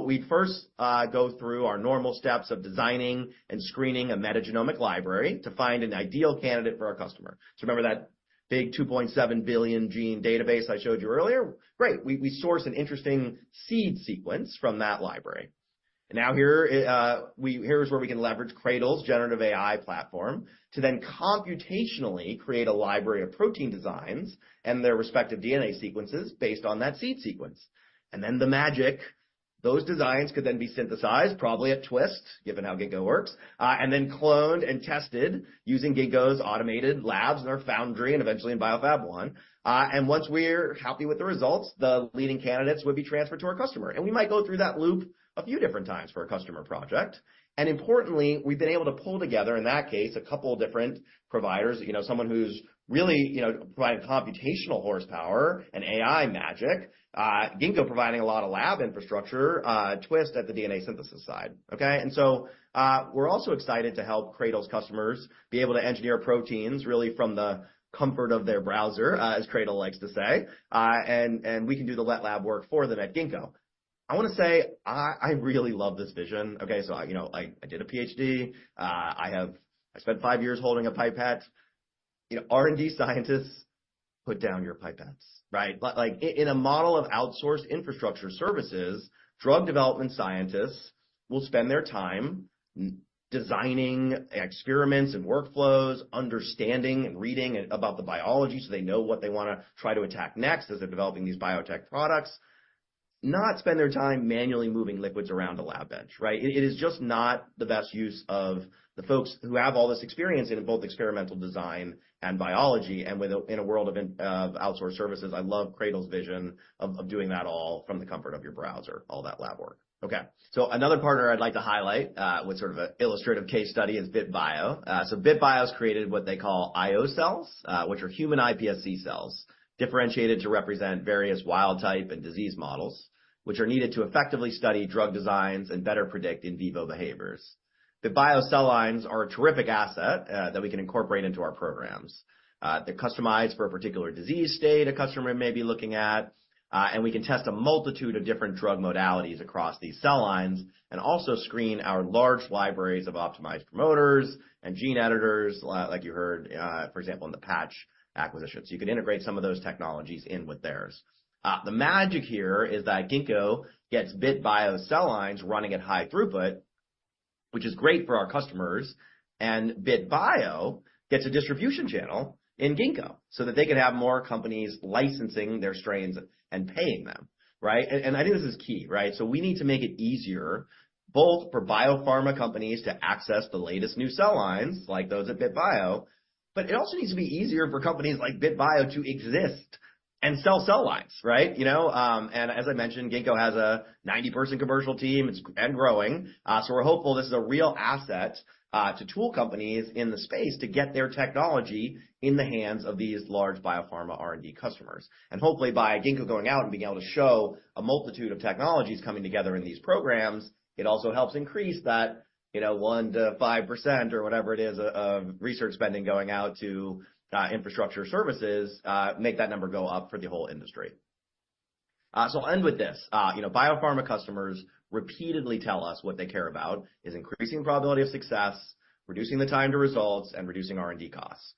We'd first go through our normal steps of designing and screening a metagenomic library to find an ideal candidate for our customer. Remember that big 2.7 billion gene database I showed you earlier? Great, we source an interesting seed sequence from that library. Now here's where we can leverage Cradle's generative AI platform to then computationally create a library of protein designs and their respective DNA sequences based on that seed sequence. And then the magic, those designs could then be synthesized, probably at Twist, given how Ginkgo works, and then cloned and tested using Ginkgo's automated labs in our Foundry and eventually in BioFab1. And once we're happy with the results, the leading candidates would be transferred to our customer. And we might go through that loop a few different times for a customer project. And importantly, we've been able to pull together, in that case, a couple of different providers, someone who's really providing computational horsepower and AI magic, Ginkgo providing a lot of lab infrastructure, Twist at the DNA synthesis side. Okay? And so we're also excited to help Cradle's customers be able to engineer proteins really from the comfort of their browser, as Cradle likes to say. And we can do the wet lab work for them at Ginkgo. I want to say I really love this vision. Okay, so I did a Ph.D. I spent five years holding a pipette. R&D scientists, put down your pipettes. Right? In a model of outsourced infrastructure services, drug development scientists will spend their time designing experiments and workflows, understanding and reading about the biology so they know what they want to try to attack next as they're developing these biotech products, not spend their time manually moving liquids around a lab bench. Right? It is just not the best use of the folks who have all this experience in both experimental design and biology. And in a world of outsourced services, I love Cradle's vision of doing that all from the comfort of your browser, all that lab work. Okay, so another partner I'd like to highlight with sort of an illustrative case study is bit.bio. So bit.bio has created what they call ioCells, which are human iPSC cells, differentiated to represent various wild type and disease models, which are needed to effectively study drug designs and better predict in vivo behaviors. The bit.bio cell lines are a terrific asset that we can incorporate into our programs. They're customized for a particular disease state a customer may be looking at. And we can test a multitude of different drug modalities across these cell lines and also screen our large libraries of optimized promoters and gene editors, like you heard, for example, in the Patch acquisition. So you can integrate some of those technologies in with theirs. The magic here is that Ginkgo gets bit.bio cell lines running at high throughput, which is great for our customers. bit.bio gets a distribution channel in Ginkgo so that they can have more companies licensing their strains and paying them. Right? And I think this is key. Right? So we need to make it easier, both for biopharma companies to access the latest new cell lines like those at bit.bio, but it also needs to be easier for companies like bit.bio to exist and sell cell lines. Right? And as I mentioned, Ginkgo has a 90% commercial team and growing. So we're hopeful this is a real asset to tool companies in the space to get their technology in the hands of these large biopharma R&D customers. And hopefully, by Ginkgo going out and being able to show a multitude of technologies coming together in these programs, it also helps increase that 1%-5% or whatever it is of research spending going out to infrastructure services, make that number go up for the whole industry. So I'll end with this. Biopharma customers repeatedly tell us what they care about is increasing probability of success, reducing the time to results, and reducing R&D costs.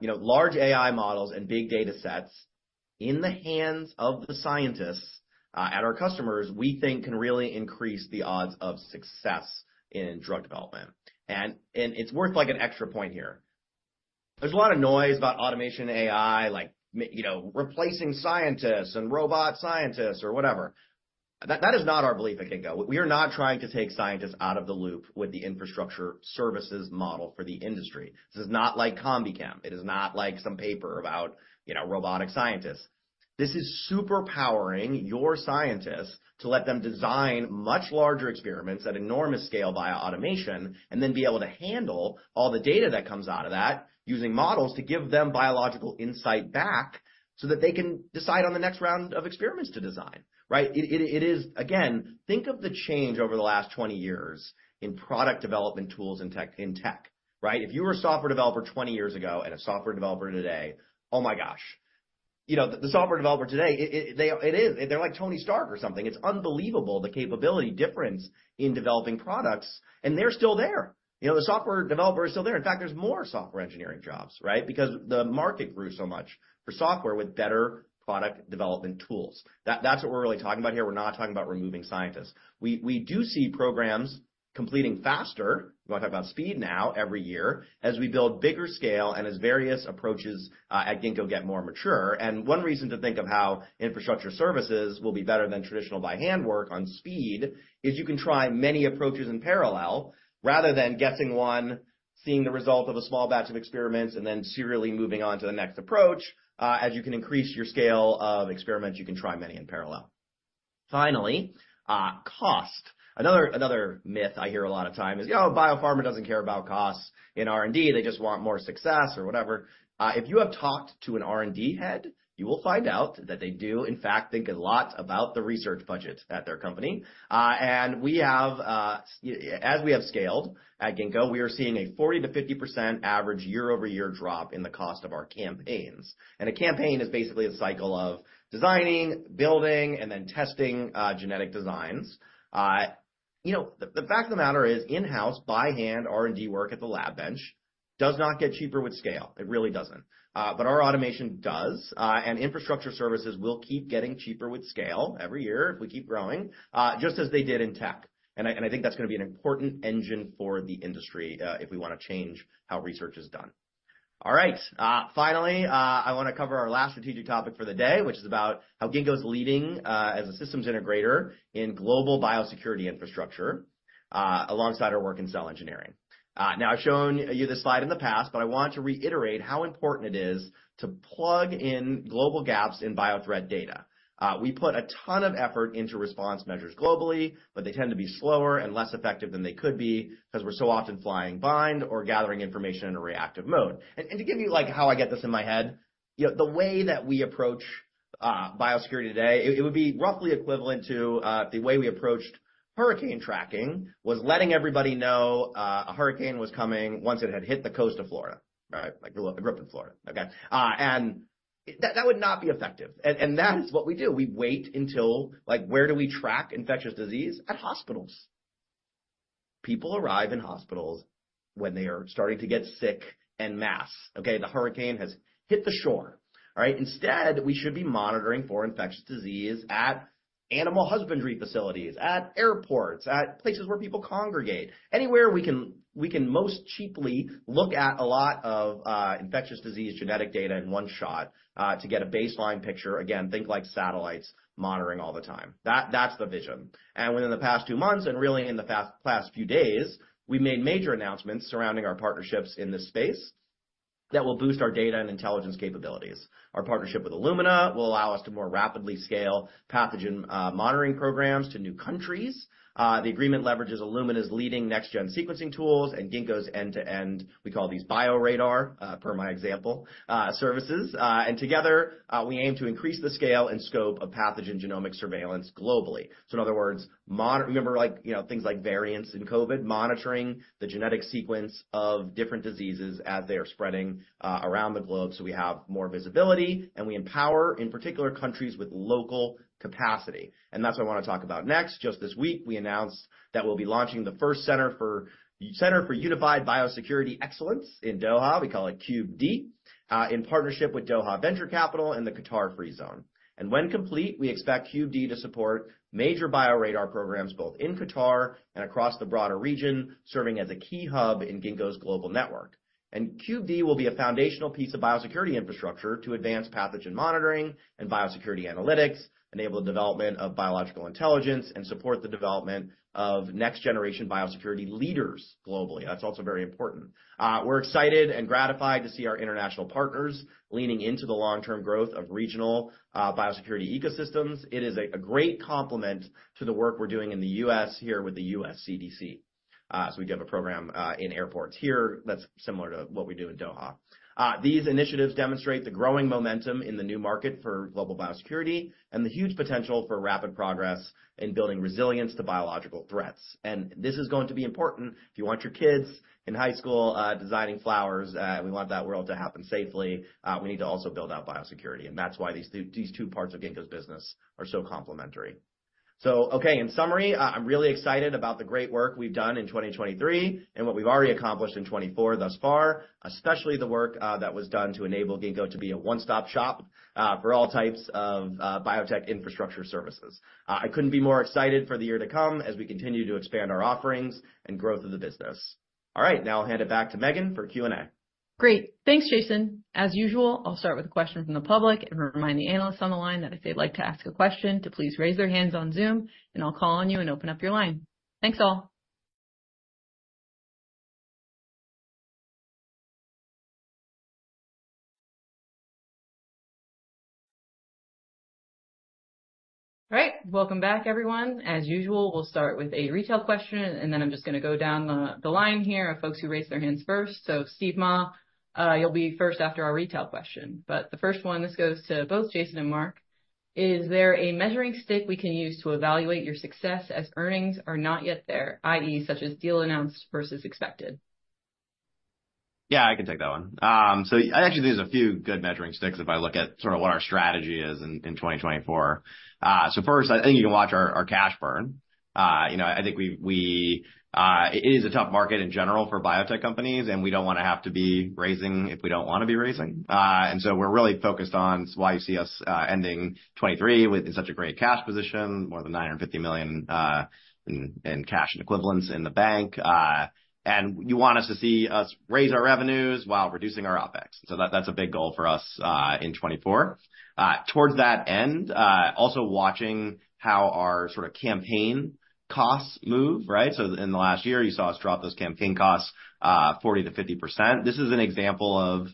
Large AI models and big data sets in the hands of the scientists at our customers, we think, can really increase the odds of success in drug development. And it's worth an extra point here. There's a lot of noise about automation and AI, like replacing scientists and robot scientists or whatever. That is not our belief at Ginkgo. We are not trying to take scientists out of the loop with the infrastructure services model for the industry. This is not like CombiChem. It is not like some paper about robotic scientists. This is superpowering your scientists to let them design much larger experiments at enormous scale via automation and then be able to handle all the data that comes out of that using models to give them biological insight back so that they can decide on the next round of experiments to design. Right? Again, think of the change over the last 20 years in product development tools in tech. Right? If you were a software developer 20 years ago and a software developer today, oh my gosh, the software developer today, it is. They're like Tony Stark or something. It's unbelievable the capability difference in developing products. And they're still there. The software developer is still there. In fact, there's more software engineering jobs. Right? Because the market grew so much for software with better product development tools. That's what we're really talking about here. We're not talking about removing scientists. We do see programs completing faster. We want to talk about speed. Now every year as we build bigger scale and as various approaches at Ginkgo get more mature. And one reason to think of how infrastructure services will be better than traditional by hand work on speed is you can try many approaches in parallel rather than guessing one, seeing the result of a small batch of experiments, and then serially moving on to the next approach. As you can increase your scale of experiments, you can try many in parallel. Finally, cost. Another myth I hear a lot of time is, "Oh, biopharma doesn't care about costs in R&D. They just want more success or whatever." If you have talked to an R&D head, you will find out that they do, in fact, think a lot about the research budget at their company. And as we have scaled at Ginkgo, we are seeing a 40%-50% average year-over-year drop in the cost of our campaigns. And a campaign is basically a cycle of designing, building, and then testing genetic designs. The fact of the matter is, in-house, by hand, R&D work at the lab bench does not get cheaper with scale. It really doesn't. But our automation does. And infrastructure services will keep getting cheaper with scale every year if we keep growing, just as they did in tech. And I think that's going to be an important engine for the industry if we want to change how research is done. All right, finally, I want to cover our last strategic topic for the day, which is about how Ginkgo is leading as a systems integrator in global biosecurity infrastructure alongside our work in cell engineering. Now, I've shown you this slide in the past, but I want to reiterate how important it is to plug in global gaps in bio threat data. We put a ton of effort into response measures globally, but they tend to be slower and less effective than they could be because we're so often flying blind or gathering information in a reactive mode. And to give you how I get this in my head, the way that we approach biosecurity today, it would be roughly equivalent to the way we approached hurricane tracking was letting everybody know a hurricane was coming once it had hit the coast of Florida. Right? A gripped Florida. Okay? And that would not be effective. And that is what we do. We wait until, where do we track infectious disease? At hospitals. People arrive in hospitals when they are starting to get sick en masse. Okay? The hurricane has hit the shore. Right? Instead, we should be monitoring for infectious disease at animal husbandry facilities, at airports, at places where people congregate, anywhere we can most cheaply look at a lot of infectious disease genetic data in one shot to get a baseline picture. Again, think like satellites monitoring all the time. That's the vision. And within the past two months and really in the past few days, we made major announcements surrounding our partnerships in this space that will boost our data and intelligence capabilities. Our partnership with Illumina will allow us to more rapidly scale pathogen monitoring programs to new countries. The agreement leverages Illumina's leading next-gen sequencing tools and Ginkgo's end-to-end, we call these BioRadar, per my example, services. And together, we aim to increase the scale and scope of pathogen genomic surveillance globally. So in other words, remember things like variants in COVID, monitoring the genetic sequence of different diseases as they are spreading around the globe so we have more visibility and we empower, in particular, countries with local capacity. And that's what I want to talk about next. Just this week, we announced that we'll be launching the first Center for Unified Biosecurity Excellence in Doha. We call it CUBE-D in partnership with Doha Venture Capital and the Qatar Free Zone. And when complete, we expect CUBE-D to support major BioRadar programs both in Qatar and across the broader region, serving as a key hub in Ginkgo's global network. CUBE-D will be a foundational piece of biosecurity infrastructure to advance pathogen monitoring and biosecurity analytics, enable the development of biological intelligence, and support the development of next-generation biosecurity leaders globally. That's also very important. We're excited and gratified to see our international partners leaning into the long-term growth of regional biosecurity ecosystems. It is a great complement to the work we're doing in the US here with the US CDC. So we do have a program in airports here that's similar to what we do in Doha. These initiatives demonstrate the growing momentum in the new market for global biosecurity and the huge potential for rapid progress in building resilience to biological threats. And this is going to be important. If you want your kids in high school designing flowers, we want that world to happen safely. We need to also build out biosecurity. That's why these two parts of Ginkgo's business are so complementary. So, okay, in summary, I'm really excited about the great work we've done in 2023 and what we've already accomplished in 2024 thus far, especially the work that was done to enable Ginkgo to be a one-stop shop for all types of biotech infrastructure services. I couldn't be more excited for the year to come as we continue to expand our offerings and growth of the business. All right, now I'll hand it back to Megan for Q&A. Great. Thanks, Jason. As usual, I'll start with a question from the public and remind the analysts on the line that if they'd like to ask a question, to please raise their hands on Zoom, and I'll call on you and open up your line. Thanks, all. All right, welcome back, everyone. As usual, we'll start with a retail question, and then I'm just going to go down the line here of folks who raised their hands first. So, Steve Mah, you'll be first after our retail question. But the first one, this goes to both Jason and Mark, is there a measuring stick we can use to evaluate your success as earnings are not yet there, i.e., such as deal announced versus expected? Yeah, I can take that one. So I actually think there's a few good measuring sticks if I look at sort of what our strategy is in 2024. So first, I think you can watch our cash burn. I think it is a tough market in general for biotech companies, and we don't want to have to be raising if we don't want to be raising. We're really focused on why you see us ending 2023 in such a great cash position, more than $950 million in cash and equivalents in the bank. And you want us to see us raise our revenues while reducing our OpEx. So that's a big goal for us in 2024. Towards that end, also watching how our sort of campaign costs move. Right? So in the last year, you saw us drop those campaign costs 40%-50%. This is an example of us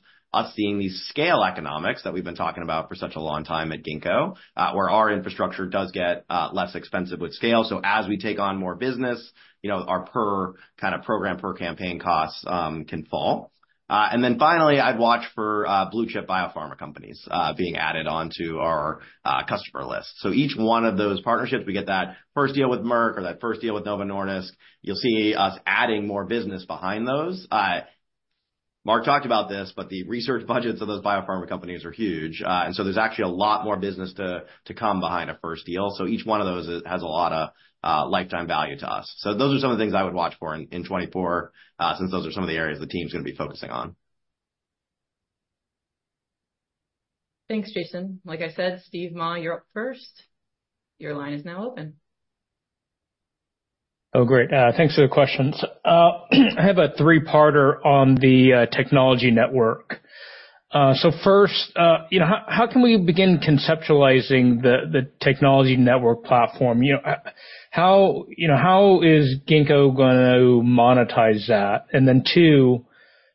seeing these scale economics that we've been talking about for such a long time at Ginkgo, where our infrastructure does get less expensive with scale. So as we take on more business, our per kind of program, per campaign costs can fall. And then finally, I'd watch for blue-chip biopharma companies being added onto our customer list. Each one of those partnerships, we get that first deal with Merck or that first deal with Novo Nordisk, you'll see us adding more business behind those. Mark talked about this, but the research budgets of those biopharma companies are huge. So there's actually a lot more business to come behind a first deal. Each one of those has a lot of lifetime value to us. Those are some of the things I would watch for in 2024 since those are some of the areas the team's going to be focusing on. Thanks, Jason. Like I said, Steve Mah, you're up first. Your line is now open. Oh, great. Thanks for the questions. I have a three-parter on the technology network. First, how can we begin conceptualizing the technology network platform? How is Ginkgo going to monetize that? And then two,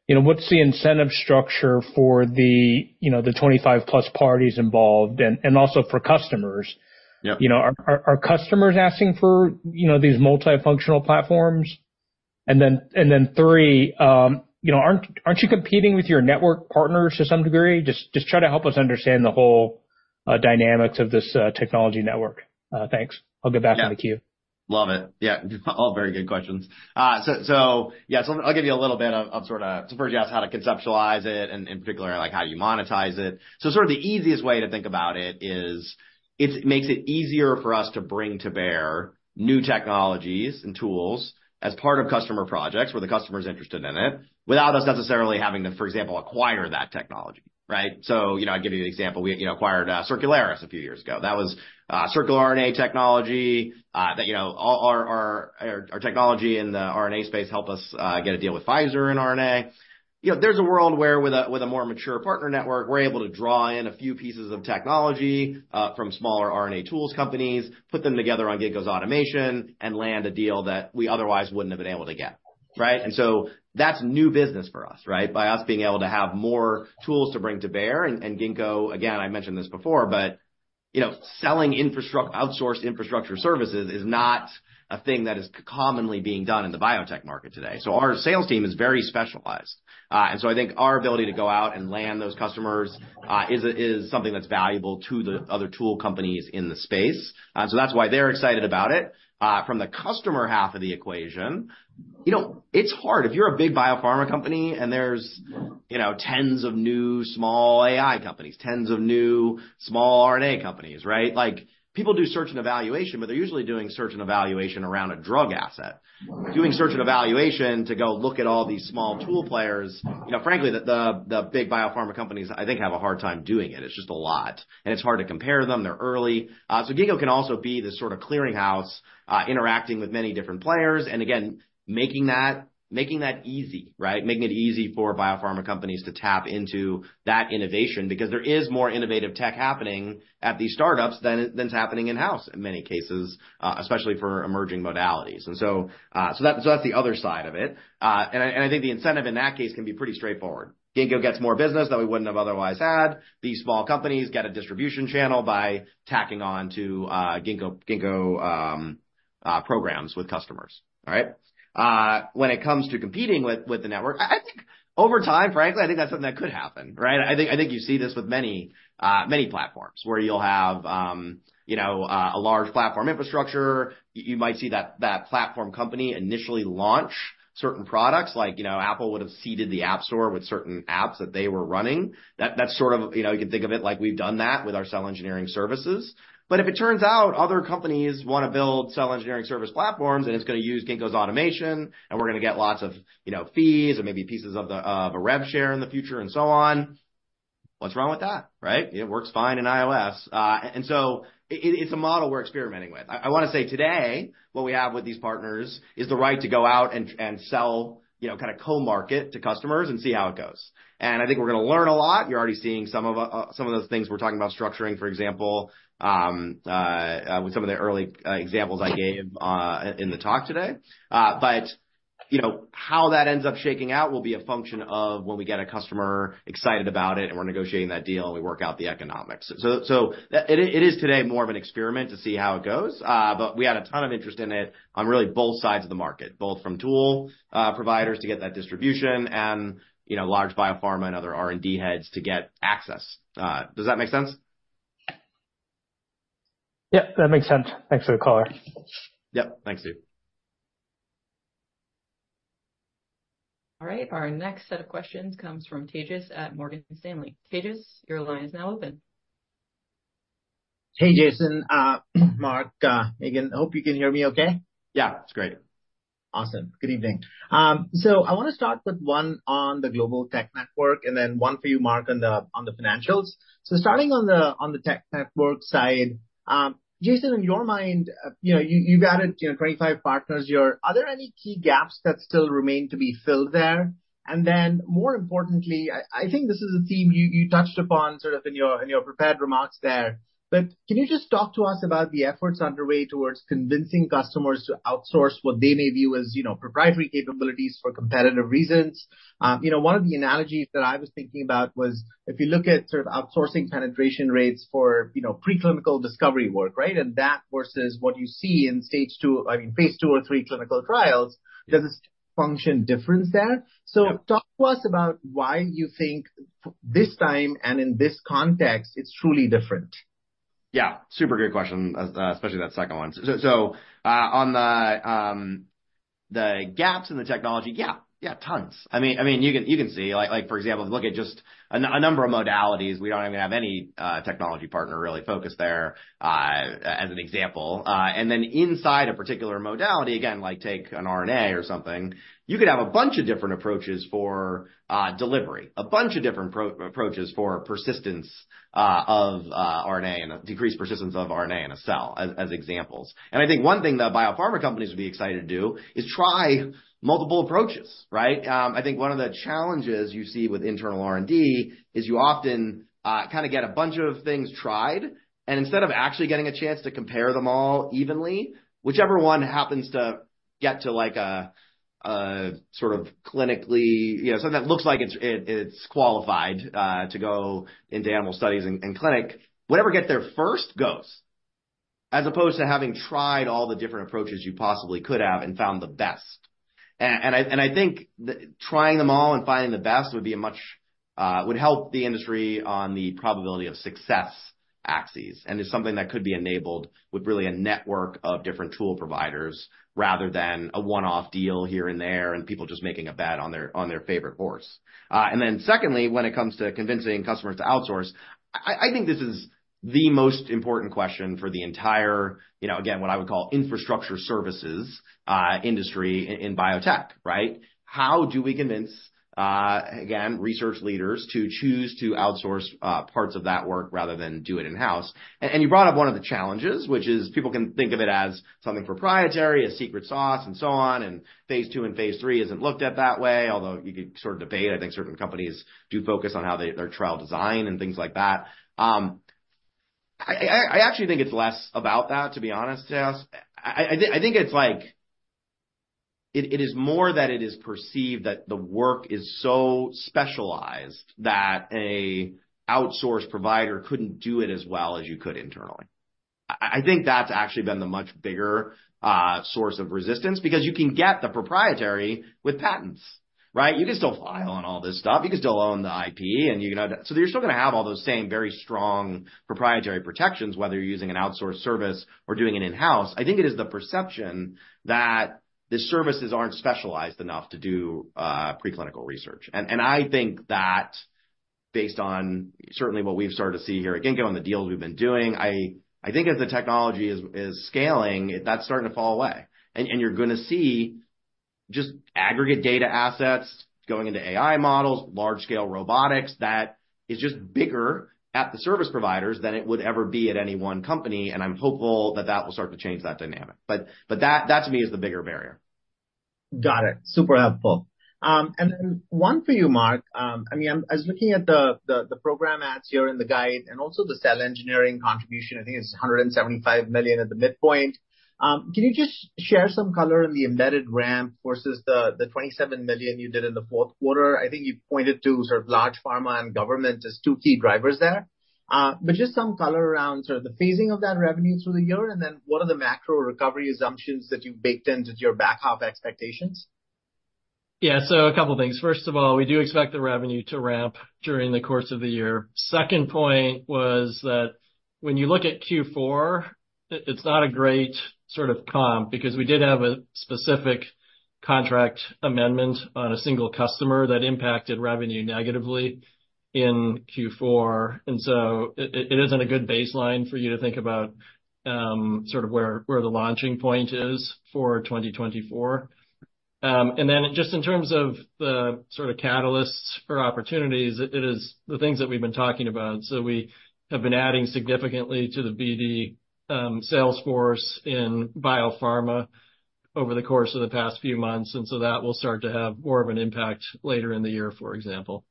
what's the incentive structure for the 25+ parties involved and also for customers? Are customers asking for these multifunctional platforms? And then three, aren't you competing with your network partners to some degree? Just try to help us understand the whole dynamics of this technology network. Thanks. I'll get back on the queue. Yeah. Love it. Yeah. All very good questions. So yeah, so I'll give you a little bit of sort of so first, you asked how to conceptualize it and in particular, how do you monetize it. So sort of the easiest way to think about it is it makes it easier for us to bring to bear new technologies and tools as part of customer projects where the customer's interested in it without us necessarily having to, for example, acquire that technology. Right? So I'll give you an example. We acquired Circularis a few years ago. That was circular RNA technology. Our technology in the RNA space helped us get a deal with Pfizer in RNA. There's a world where with a more mature partner network, we're able to draw in a few pieces of technology from smaller RNA tools companies, put them together on Ginkgo's automation, and land a deal that we otherwise wouldn't have been able to get. Right? And so that's new business for us. Right? By us being able to have more tools to bring to bear and Ginkgo, again, I mentioned this before, but selling outsourced infrastructure services is not a thing that is commonly being done in the biotech market today. So our sales team is very specialized. And so I think our ability to go out and land those customers is something that's valuable to the other tool companies in the space. And so that's why they're excited about it. From the customer half of the equation, it's hard. If you're a big biopharma company and there's tens of new small AI companies, tens of new small RNA companies. Right? People do search and evaluation, but they're usually doing search and evaluation around a drug asset, doing search and evaluation to go look at all these small tool players. Frankly, the big biopharma companies, I think, have a hard time doing it. It's just a lot. And it's hard to compare them. They're early. So Ginkgo can also be this sort of clearinghouse, interacting with many different players and again, making that easy. Right? Making it easy for biopharma companies to tap into that innovation because there is more innovative tech happening at these startups than it's happening in-house in many cases, especially for emerging modalities. And so that's the other side of it. And I think the incentive in that case can be pretty straightforward. Ginkgo gets more business that we wouldn't have otherwise had. These small companies get a distribution channel by tacking onto Ginkgo programs with customers. All right? When it comes to competing with the network, I think over time, frankly, I think that's something that could happen. Right? I think you see this with many platforms where you'll have a large platform infrastructure. You might see that platform company initially launch certain products. Apple would have seeded the App Store with certain apps that they were running. That's sort of you can think of it like we've done that with our cell engineering services. But if it turns out other companies want to build cell engineering service platforms and it's going to use Ginkgo's automation and we're going to get lots of fees and maybe pieces of a rev share in the future and so on, what's wrong with that? Right? It works fine in iOS. And so it's a model we're experimenting with. I want to say today, what we have with these partners is the right to go out and sell, kind of co-market to customers and see how it goes. And I think we're going to learn a lot. You're already seeing some of those things we're talking about structuring, for example, with some of the early examples I gave in the talk today. But how that ends up shaking out will be a function of when we get a customer excited about it and we're negotiating that deal and we work out the economics. So it is today more of an experiment to see how it goes. But we had a ton of interest in it on really both sides of the market, both from tool providers to get that distribution and large biopharma and other R&D heads to get access. Does that make sense? Yep, that makes sense. Thanks for the color. Yep. Thanks, Steve. All right. Our next set of questions comes from Tejas at Morgan Stanley. Tejas, your line is now open. Hey, Jason. Mark, Megan, hope you can hear me okay. Yeah, it's great. Awesome. Good evening. So I want to start with one on the global tech network and then one for you, Mark, on the financials. So starting on the tech network side, Jason, in your mind, you've added 25 partners. Are there any key gaps that still remain to be filled there? And then more importantly, I think this is a theme you touched upon sort of in your prepared remarks there. But can you just talk to us about the efforts underway towards convincing customers to outsource what they may view as proprietary capabilities for competitive reasons? One of the analogies that I was thinking about was if you look at sort of outsourcing penetration rates for preclinical discovery work, right, and that versus what you see in stage two, I mean, phase two or three clinical trials, does it function different there? So talk to us about why you think this time and in this context, it's truly different. Yeah, super good question, especially that second one. So on the gaps in the technology, yeah, yeah, tons. I mean, you can see. For example, if you look at just a number of modalities, we don't even have any technology partner really focused there as an example. And then inside a particular modality, again, take an RNA or something, you could have a bunch of different approaches for delivery, a bunch of different approaches for persistence of RNA and decreased persistence of RNA in a cell as examples. And I think one thing that biopharma companies would be excited to do is try multiple approaches. Right? I think one of the challenges you see with internal R&D is you often kind of get a bunch of things tried. Instead of actually getting a chance to compare them all evenly, whichever one happens to get to a sort of clinically something that looks like it's qualified to go into animal studies and clinic, whatever gets there first goes as opposed to having tried all the different approaches you possibly could have and found the best. And I think trying them all and finding the best would be a much would help the industry on the probability of success axes. And it's something that could be enabled with really a network of different tool providers rather than a one-off deal here and there and people just making a bet on their favorite horse. And then secondly, when it comes to convincing customers to outsource, I think this is the most important question for the entire, again, what I would call infrastructure services industry in biotech. Right? How do we convince, again, research leaders to choose to outsource parts of that work rather than do it in-house? And you brought up one of the challenges, which is people can think of it as something proprietary, a secret sauce, and so on. And phase two and phase three isn't looked at that way, although you could sort of debate. I think certain companies do focus on how their trial design and things like that. I actually think it's less about that, to be honest with you. I think it's like it is more that it is perceived that the work is so specialized that an outsourced provider couldn't do it as well as you could internally. I think that's actually been the much bigger source of resistance because you can get the proprietary with patents. Right? You can still file on all this stuff. You can still own the IP. And so you're still going to have all those same very strong proprietary protections, whether you're using an outsourced service or doing it in-house. I think it is the perception that the services aren't specialized enough to do preclinical research. And I think that based on certainly what we've started to see here at Ginkgo and the deals we've been doing, I think as the technology is scaling, that's starting to fall away. And you're going to see just aggregate data assets going into AI models, large-scale robotics that is just bigger at the service providers than it would ever be at any one company. And I'm hopeful that that will start to change that dynamic. But that, to me, is the bigger barrier. Got it. Super helpful. And then one for you, Mark. I mean, I was looking at the program ads here in the guide and also the cell engineering contribution. I think it's $175 million at the midpoint. Can you just share some color in the embedded ramp versus the $27 million you did in the fourth quarter? I think you pointed to sort of large pharma and government as two key drivers there. But just some color around sort of the phasing of that revenue through the year. And then what are the macro recovery assumptions that you've baked into your back half expectations? Yeah. So a couple of things. First of all, we do expect the revenue to ramp during the course of the year. Second point was that when you look at Q4, it's not a great sort of comp because we did have a specific contract amendment on a single customer that impacted revenue negatively in Q4. And so it isn't a good baseline for you to think about sort of where the launching point is for 2024. And then just in terms of the sort of catalysts or opportunities, it is the things that we've been talking about. So we have been adding significantly to the BD Salesforce in biopharma over the course of the past few months. And so that will start to have more of an impact later in the year, for example.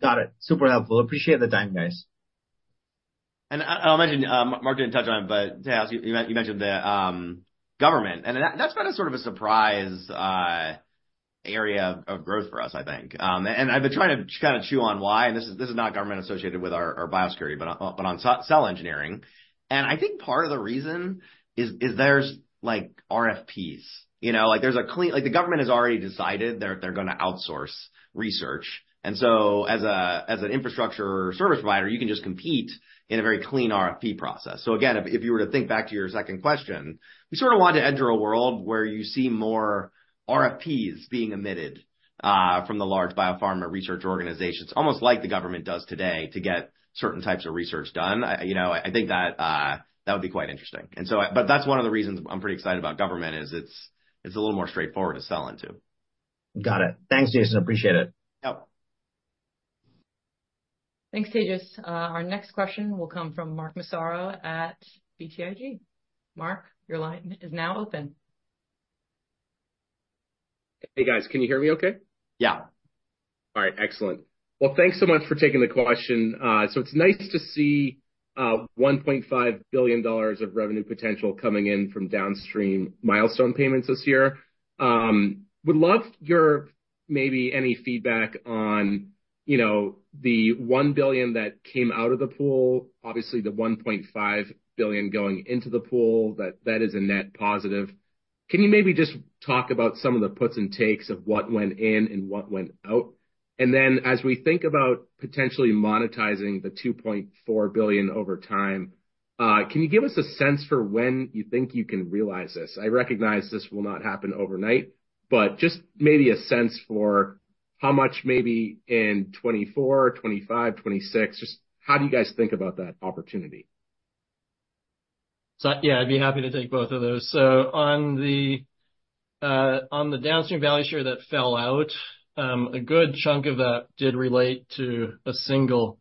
Got it. Super helpful. Appreciate the time, guys. And I'll mention Mark didn't touch on it, but you mentioned the government. And that's been sort of a surprise area of growth for us, I think. And I've been trying to kind of chew on why. And this is not government associated with our biosecurity, but on cell engineering. And I think part of the reason is there's RFPs. There's a clear the government has already decided they're going to outsource research. As an infrastructure service provider, you can just compete in a very clean RFP process. So again, if you were to think back to your second question, we sort of want to enter a world where you see more RFPs being emitted from the large biopharma research organizations, almost like the government does today to get certain types of research done. I think that would be quite interesting. But that's one of the reasons I'm pretty excited about government is it's a little more straightforward to sell into. Got it. Thanks, Jason. Appreciate it. Yep. Thanks, Tejas.Our next question will come from Mark Massaro at BTIG. Mark, your line is now open. Hey, guys. Can you hear me okay? Yeah. All right. Excellent. Well, thanks so much for taking the question. So it's nice to see $1.5 billion of revenue potential coming in from downstream milestone payments this year. Would love your maybe any feedback on the $1 billion that came out of the pool, obviously, the $1.5 billion going into the pool. That is a net positive. Can you maybe just talk about some of the puts and takes of what went in and what went out? And then as we think about potentially monetizing the $2.4 billion over time, can you give us a sense for when you think you can realize this? I recognize this will not happen overnight, but just maybe a sense for how much maybe in 2024, 2025, 2026, just how do you guys think about that opportunity? Yeah, I'd be happy to take both of those. So on the Downstream Value Share that fell out, a good chunk of that did relate to a single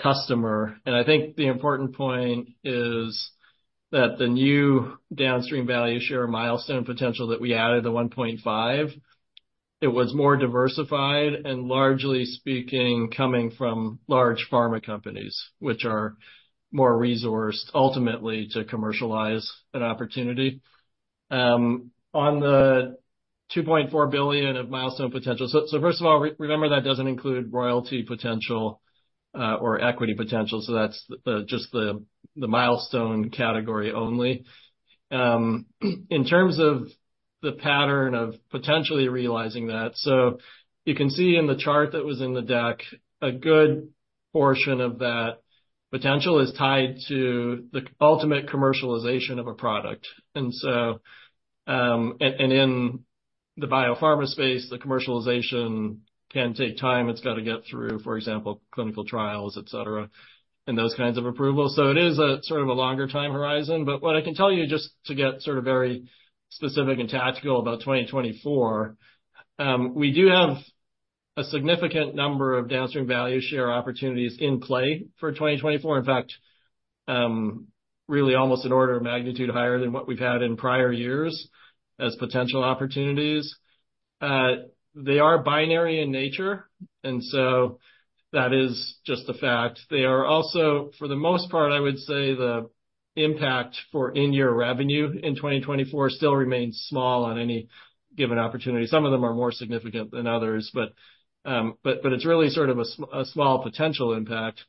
customer. And I think the important point is that the new Downstream Value Share milestone potential that we added, the $1.5, it was more diversified and, largely speaking, coming from large pharma companies, which are more resourced ultimately to commercialize an opportunity. On the $2.4 billion of milestone potential, so first of all, remember that doesn't include royalty potential or equity potential. So that's just the milestone category only. In terms of the pattern of potentially realizing that, so you can see in the chart that was in the deck, a good portion of that potential is tied to the ultimate commercialization of a product. And in the biopharma space, the commercialization can take time. It's got to get through, for example, clinical trials, etc., and those kinds of approvals. So it is sort of a longer time horizon. But what I can tell you just to get sort of very specific and tactical about 2024, we do have a significant number of Downstream Value Share opportunities in play for 2024. In fact, really almost an order of magnitude higher than what we've had in prior years as potential opportunities. They are binary in nature. And so that is just the fact. They are also, for the most part, I would say, the impact for in-year revenue in 2024 still remains small on any given opportunity. Some of them are more significant than others. But it's really sort of a small potential impact.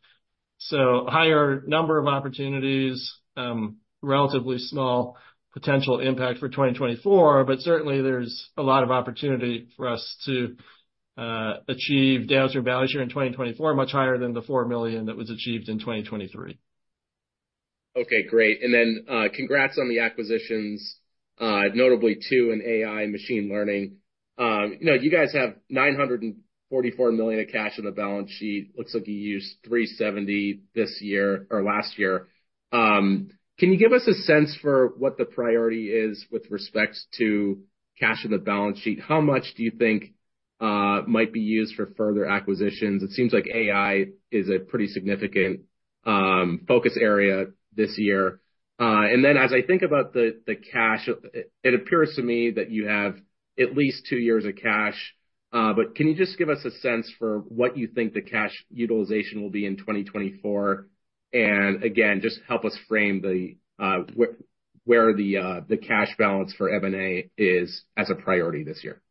So higher number of opportunities, relatively small potential impact for 2024. But certainly, there's a lot of opportunity for us to achieve Downstream Value Share in 2024, much higher than the $4 million that was achieved in 2023. Okay. Great. And then congrats on the acquisitions, notably two in AI and machine learning. You guys have $944 million of cash in the balance sheet. Looks like you used $370 million this year or last year. Can you give us a sense for what the priority is with respect to cash in the balance sheet? How much do you think might be used for further acquisitions? It seems like AI is a pretty significant focus area this year. And then as I think about the cash, it appears to me that you have at least two years of cash. But can you just give us a sense for what you think the cash utilization will be in 2024? And again, just help us frame where the cash balance for M&A is as a priority this year.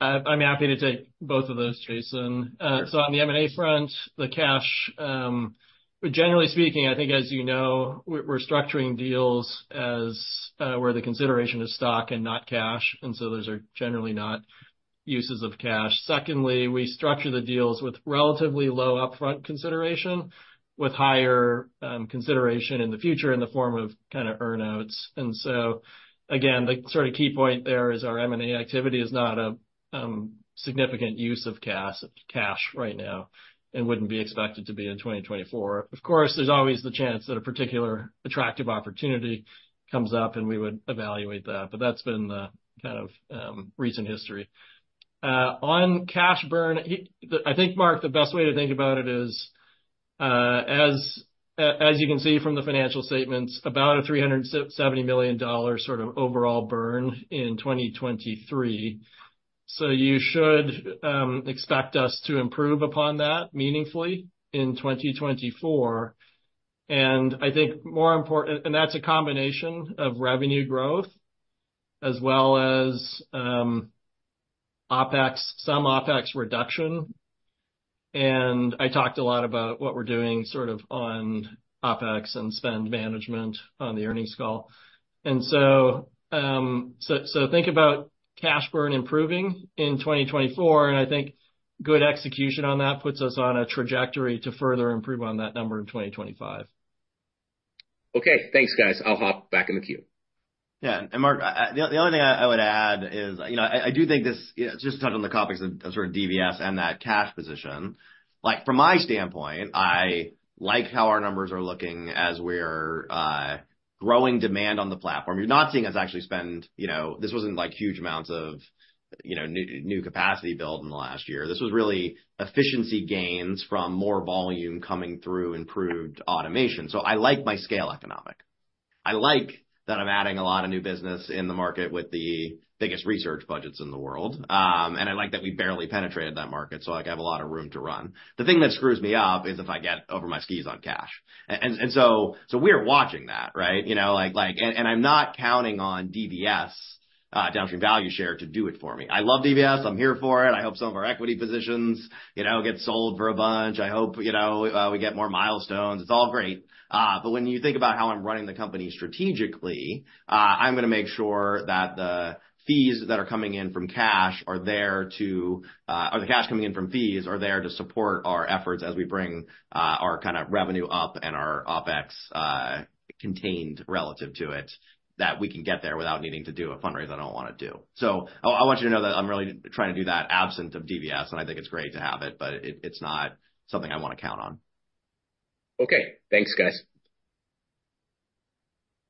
I'm happy to take both of those, Jason. So on the M&A front, the cash generally speaking, I think, as you know, we're structuring deals where the consideration is stock and not cash. And so those are generally not uses of cash. Secondly, we structure the deals with relatively low upfront consideration, with higher consideration in the future in the form of kind of earnouts. And so again, the sort of key point there is our M&A activity is not a significant use of cash right now and wouldn't be expected to be in 2024. Of course, there's always the chance that a particular attractive opportunity comes up, and we would evaluate that. But that's been the kind of recent history. On cash burn, I think, Mark, the best way to think about it is, as you can see from the financial statements, about a $370 million sort of overall burn in 2023. So you should expect us to improve upon that meaningfully in 2024. I think more important, and that's a combination of revenue growth as well as some OpEx reduction. I talked a lot about what we're doing sort of on OpEx and spend management on the earnings call. So think about cash burn improving in 2024. I think good execution on that puts us on a trajectory to further improve on that number in 2025. Okay. Thanks, guys. I'll hop back in the queue. Yeah. Mark, the only thing I would add is I do think this just touching on the topics of sort of DVS and that cash position. From my standpoint, I like how our numbers are looking as we're growing demand on the platform. You're not seeing us actually spend; this wasn't huge amounts of new capacity build in the last year. This was really efficiency gains from more volume coming through improved automation. So I like my scale economics. I like that I'm adding a lot of new business in the market with the biggest research budgets in the world. And I like that we barely penetrated that market. So I have a lot of room to run. The thing that screws me up is if I get over my skis on cash. And so we're watching that, right? And I'm not counting on DVS, downstream value share, to do it for me. I love DVS. I'm here for it. I hope some of our equity positions get sold for a bunch. I hope we get more milestones. It's all great. But when you think about how I'm running the company strategically, I'm going to make sure that the fees that are coming in from cash are there to or the cash coming in from fees are there to support our efforts as we bring our kind of revenue up and our OpEx contained relative to it, that we can get there without needing to do a fundraise I don't want to do. So I want you to know that I'm really trying to do that absent of DVS. And I think it's great to have it, but it's not something I want to count on. Okay. Thanks, guys.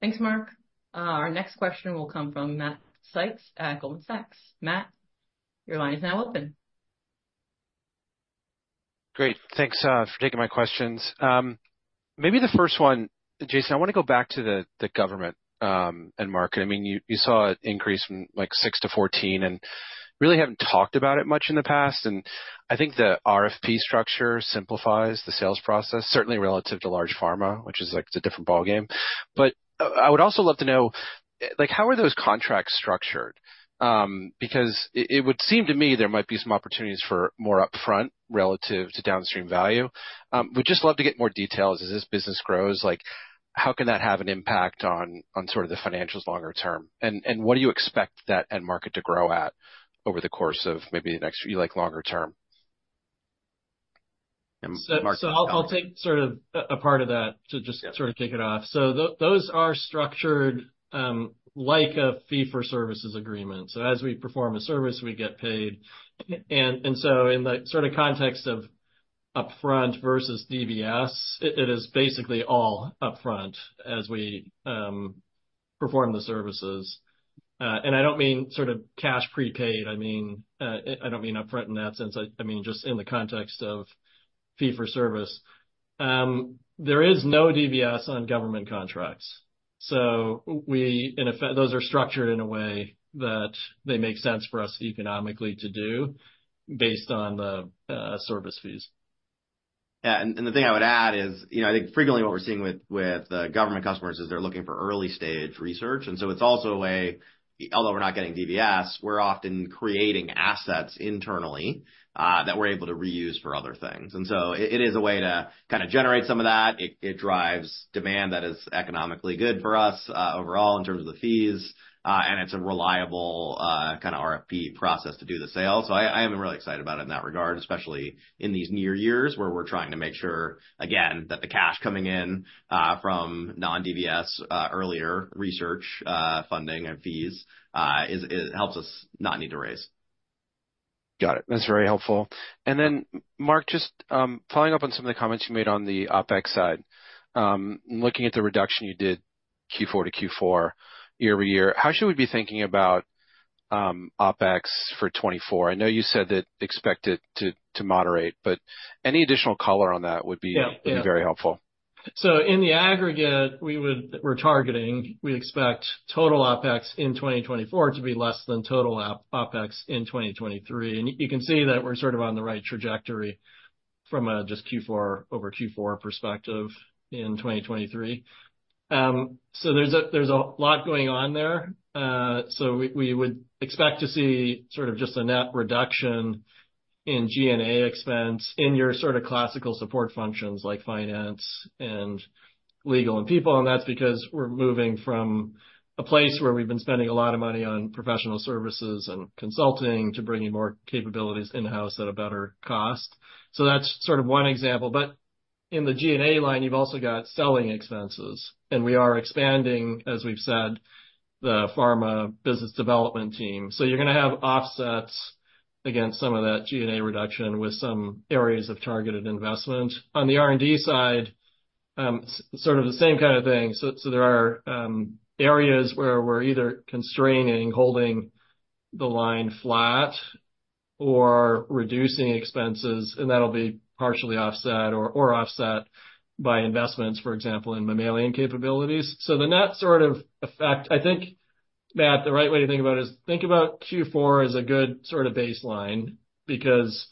Thanks, Mark. Our next question will come from Matt Sykes at Goldman Sachs Group, Inc.. Matt, your line is now open. Great. Thanks for taking my questions. Maybe the first one, Jason. I want to go back to the government and market. I mean, you saw an increase from 6 to 14 and really haven't talked about it much in the past. And I think the RFP structure simplifies the sales process, certainly relative to large pharma, which is a different ballgame. But I would also love to know, how are those contracts structured? Because it would seem to me there might be some opportunities for more upfront relative to downstream value. We'd just love to get more details. As this business grows, how can that have an impact on sort of the financials longer term? And what do you expect that end market to grow at over the course of maybe the next longer term? So I'll take sort of a part of that to just sort of kick it off. So those are structured like a fee-for-services agreement. So as we perform a service, we get paid. And so in the sort of context of upfront versus DVS, it is basically all upfront as we perform the services. And I don't mean sort of cash prepaid. I don't mean upfront in that sense. I mean, just in the context of fee-for-service. There is no DVS on government contracts. So those are structured in a way that they make sense for us economically to do based on the service fees. Yeah. And the thing I would add is I think frequently what we're seeing with the government customers is they're looking for early-stage research. And so it is a way although we're not getting DVS, we're often creating assets internally that we're able to reuse for other things. And so it is a way to kind of generate some of that. It drives demand that is economically good for us overall in terms of the fees. And it's a reliable kind of RFP process to do the sale. So I am really excited about it in that regard, especially in these near years where we're trying to make sure, again, that the cash coming in from non-DVS earlier research funding and fees helps us not need to raise. Got it. That's very helpful. And then, Mark, just following up on some of the comments you made on the OpEx side, looking at the reduction you did Q4 to Q4 year-over-year, how should we be thinking about OpEx for 2024? I know you said that expect it to moderate, but any additional color on that would be very helpful. So in the aggregate, we're targeting we expect total OpEx in 2024 to be less than total OpEx in 2023. You can see that we're sort of on the right trajectory from a just Q4 over Q4 perspective in 2023. So there's a lot going on there. So we would expect to see sort of just a net reduction in G&A expense in your sort of classical support functions like finance and legal and people. And that's because we're moving from a place where we've been spending a lot of money on professional services and consulting to bringing more capabilities in-house at a better cost. So that's sort of one example. But in the G&A line, you've also got selling expenses. And we are expanding, as we've said, the pharma business development team. So you're going to have offsets against some of that G&A reduction with some areas of targeted investment. On the R&D side, sort of the same kind of thing. So there are areas where we're either constraining, holding the line flat, or reducing expenses. And that'll be partially offset or offset by investments, for example, in mammalian capabilities. So the net sort of effect I think, Matt, the right way to think about it is think about Q4 as a good sort of baseline because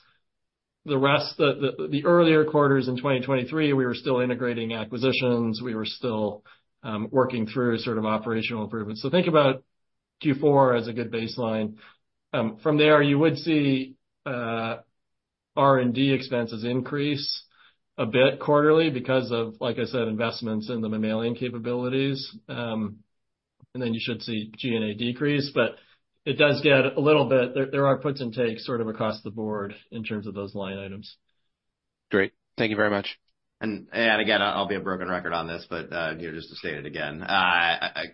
the earlier quarters in 2023, we were still integrating acquisitions. We were still working through sort of operational improvements. So think about Q4 as a good baseline. From there, you would see R&D expenses increase a bit quarterly because of, like I said, investments in the mammalian capabilities. And then you should see G&A decrease. But it does get a little bit. There are puts and takes sort of across the board in terms of those line items. Great. Thank you very much. And again, I'll be a broken record on this, but just to state it again,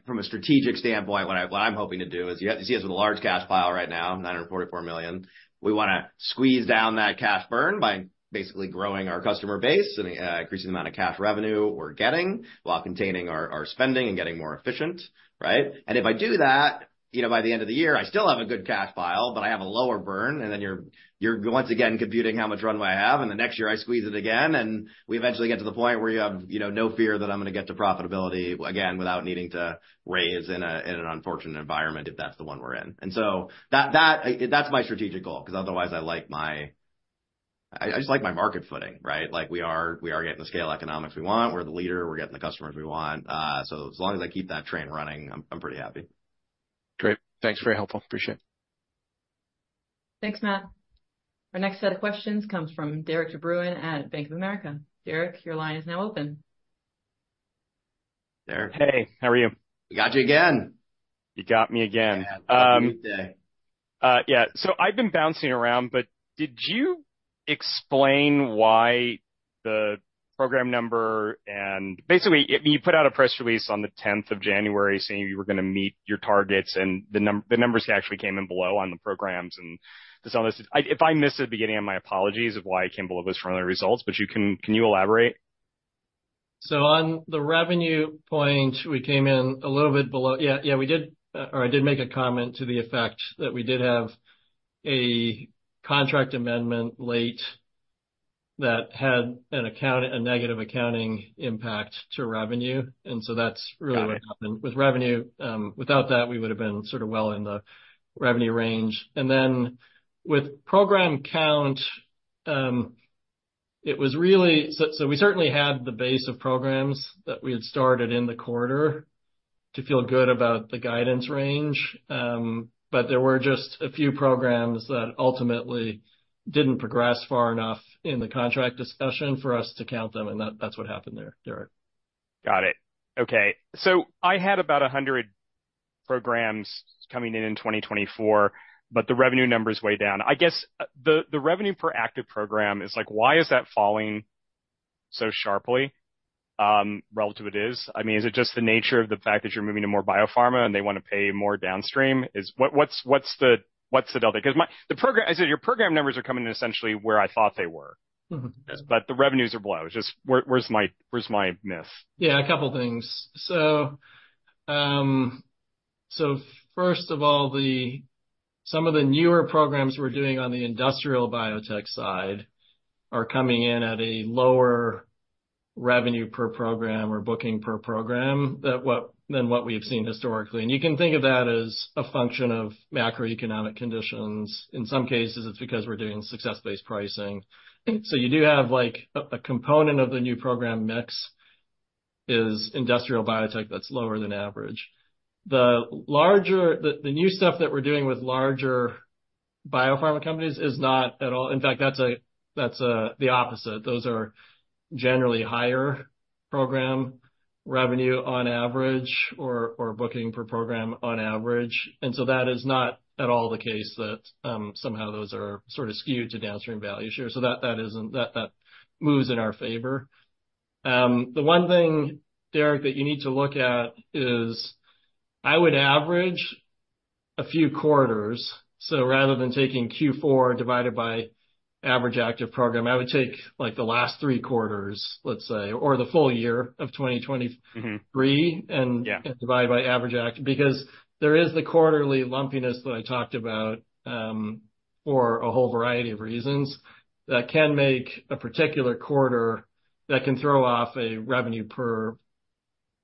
from a strategic standpoint, what I'm hoping to do is you see us with a large cash pile right now, $944 million. We want to squeeze down that cash burn by basically growing our customer base and increasing the amount of cash revenue we're getting while containing our spending and getting more efficient, right? And if I do that, by the end of the year, I still have a good cash pile, but I have a lower burn. And then you're once again computing how much runway I have. And the next year, I squeeze it again. And we eventually get to the point where you have no fear that I'm going to get to profitability, again, without needing to raise in an unfortunate environment if that's the one we're in. And so that's my strategic goal because otherwise, I like my I just like my market footing, right? We are getting the scale economics we want. We're the leader. We're getting the customers we want. So as long as I keep that train running, I'm pretty happy. Great. Thanks. Very helpful. Appreciate it. Thanks, Matt. Our next set of questions comes from Derik de Bruin at Bank of America Corporation. Derik, your line is now open. Derik. Hey. How are you? We got you again. You got me again. Yeah. So I've been bouncing around. But did you explain why the program number and basically, you put out a press release on the 10th of January saying you were going to meet your targets. And the numbers actually came in below on the programs and this and all this. If I missed it at the beginning, I'm sorry, my apologies for why it came below those primary results. But can you elaborate? So on the revenue point, we came in a little bit below. Yeah. Yeah. We did or I did make a comment to the effect that we did have a contract amendment late that had a negative accounting impact to revenue. And so that's really what happened with revenue. Without that, we would have been sort of well in the revenue range. And then with program count, it was really, so we certainly had the base of programs that we had started in the quarter to feel good about the guidance range. But there were just a few programs that ultimately didn't progress far enough in the contract discussion for us to count them. And that's what happened there, Derik. Got it. Okay. So I had about 100 programs coming in in 2024, but the revenue numbers are way down. I guess the revenue per active program. Why is that falling so sharply relative to what it is? I mean, is it just the nature of the fact that you're moving to more biopharma and they want to pay more downstream? What's the delta? Because I said your program numbers are coming in essentially where I thought they were. But the revenuesare below. Where's the miss? Yeah. A couple of things. So first of all, some of the newer programs we're doing on the industrial biotech side are coming in at a lower revenue per program or booking per program than what we have seen historically. And you can think of that as a function of macroeconomic conditions. In some cases, it's because we're doing success-based pricing. So you do have a component of the new program mix is industrial biotech that's lower than average. The new stuff that we're doing with larger biopharma companies is not at all. In fact, that's the opposite. Those are generally higher program revenue on average or booking per program on average. And so that is not at all the case that somehow those are sort of skewed to Downstream Value Share. So that moves in our favor. The one thing, Derek, that you need to look at is I would average a few quarters. Rather than taking Q4 divided by average active program, I would take the last three quarters, let's say, or the full year of 2023 and divide by average active because there is the quarterly lumpiness that I talked about for a whole variety of reasons that can make a particular quarter that can throw off a revenue per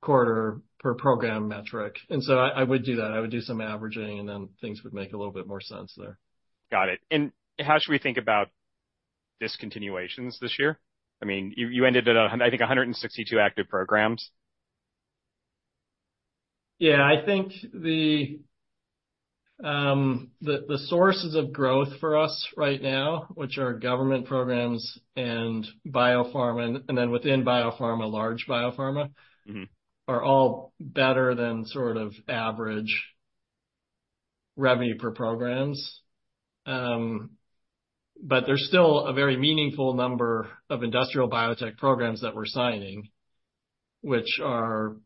quarter per program metric. So I would do that. I would do some averaging, and then things would make a little bit more sense there. Got it. How should we think about discontinuations this year? I mean, you ended at, I think, 162 active programs. Yeah. I think the sources of growth for us right now, which are government programs and biopharma and then within biopharma, large biopharma, are all better than sort of average revenue per programs. But there's still a very meaningful number of industrial biotech programs that we're signing, which are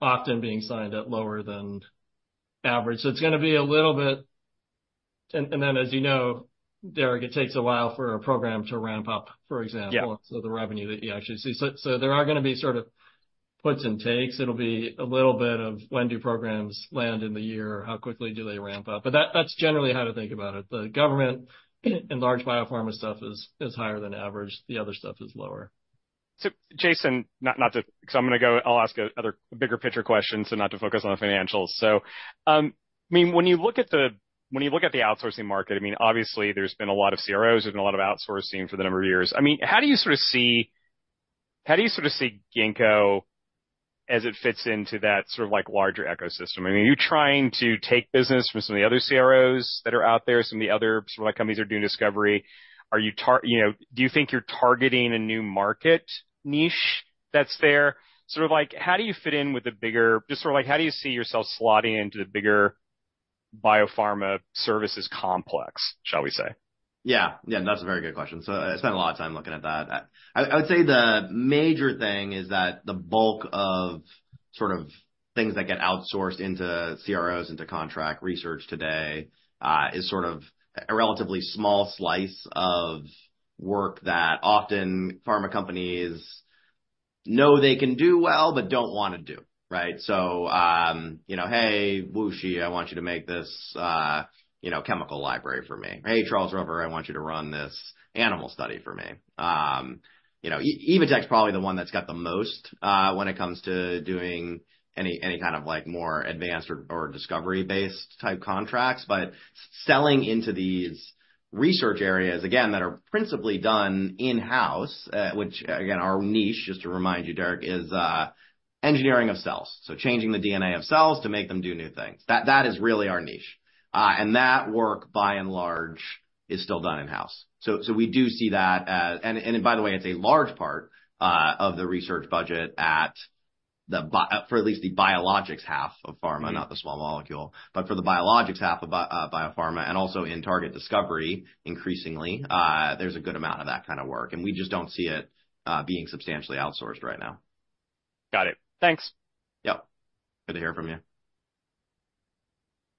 often being signed at lower than average. So it's going to be a little bit and then, as you know, Derek, it takes a while for a program to ramp up, for example, so the revenue that you actually see. So there are going to be sort of puts and takes. It'll be a little bit of when do programs land in the year? How quickly do they ramp up? But that's generally how to think about it. The government and large biopharma stuff is higher than average. The other stuff is lower. So Jason, not to because I'm going to go I'll ask a bigger picture question so not to focus on the financials. So, I mean, when you look at the outsourcing market, I mean, obviously, there's been a lot of CROs. There's been a lot of outsourcing for a number of years. I mean, how do you sort of see Ginkgo as it fits into that sort of larger ecosystem? I mean, are you trying to take business from some of the other CROs that are out there? Some of the other sort of companies are doing discovery. Do you think you're targeting a new market niche that's there? Sort of, how do you fit in with the bigger, just sort of, how do you see yourself slotting into the bigger biopharma services complex, shall we say? Yeah. Yeah. That's a very good question. So I spent a lot of time looking at that. I would say the major thing is that the bulk of sort of things that get outsourced into CROs, into contract research today is sort of a relatively small slice of work that often pharma companies know they can do well but don't want to do, right? So, "Hey, WuXi, I want you to make this chemical library for me." "Hey, Charles River, I want you to run this animal study for me." Evotec is probably the one that's got the most when it comes to doing any kind of more advanced or discovery-based type contracts. But selling into these research areas, again, that are principally done in-house, which, again, our niche, just to remind you, Derek, is engineering of cells, so changing the DNA of cells to make them do new things. That is really our niche. And that work, by and large, is still done in-house. So we do see that as, and by the way, it's a large part of the research budget at the, for at least the biologics half of pharma, not the small molecule. But for the biologics half of biopharma and also in target discovery, increasingly, there's a good amount of that kind of work. And we just don't see it being substantially outsourced right now. Got it. Thanks. Yep. Good to hear from you.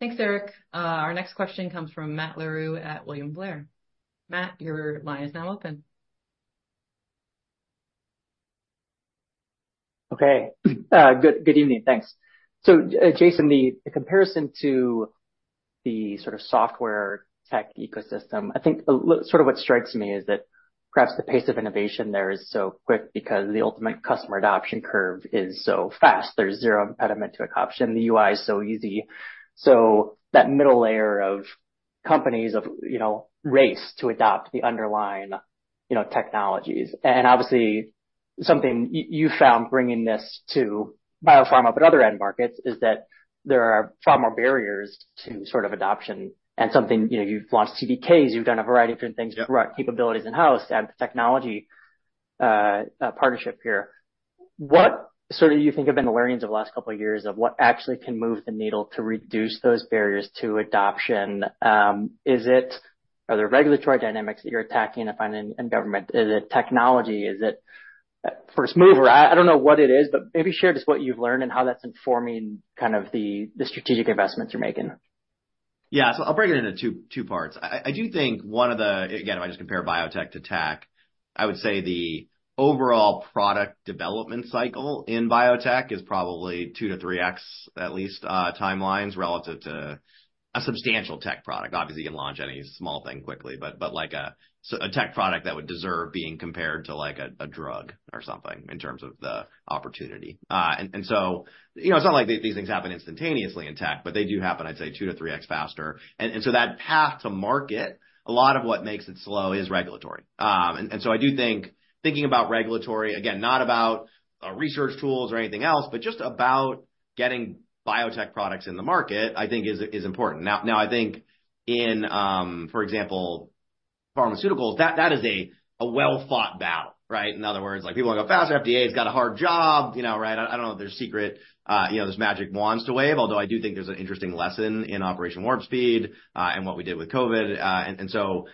Thanks, Derik. Our next question comes from Matt Larew at William Blair. Matt, your line is now open. Okay. Good evening. Thanks. So Jason, the comparison to the sort of software tech ecosystem, I think sort of what strikes me is that perhaps the pace of innovation there is so quick because the ultimate customer adoption curve is so fast. There's zero impediment to adoption. The UI is so easy. So that middle layer of companies have race to adopt the underlying technologies. And obviously, something you've found bringing this to biopharma but other end markets is that there are far more barriers to sort of adoption. And something you've launched CDKs. You've done a variety of different things. You've brought capabilities in-house. You have the technology partnership here. What sort of do you think have been the learnings of the last couple of years of what actually can move the needle to reduce those barriers to adoption? Are there regulatory dynamics that you're attacking in government? Is it technology? Is it first mover? I don't know what it is, but maybe share just what you've learned and how that's informing kind of the strategic investments you're making. Yeah. So I'll break it into two parts. I do think one of the again, if I just compare biotech to tech, I would say the overall product development cycle in biotech is probably 2-3x, at least, timelines relative to a substantial tech product. Obviously, you can launch any small thing quickly, but a tech product that would deserve being compared to a drug or something in terms of the opportunity. And so it's not like these things happen instantaneously in tech, but they do happen, I'd say, 2-3x faster. And so that path to market, a lot of what makes it slow is regulatory. And so I do think thinking about regulatory again, not about research tools or anything else, but just about getting biotech products in the market, I think, is important. Now, I think in, for example, pharmaceuticals, that is a well-thought battle, right? In other words, people want to go faster. FDA has got a hard job, right? I don't know if there's secret there's magic wands to wave, although I do think there's an interesting lesson in Operation Warp Speed and what we did with COVID. And so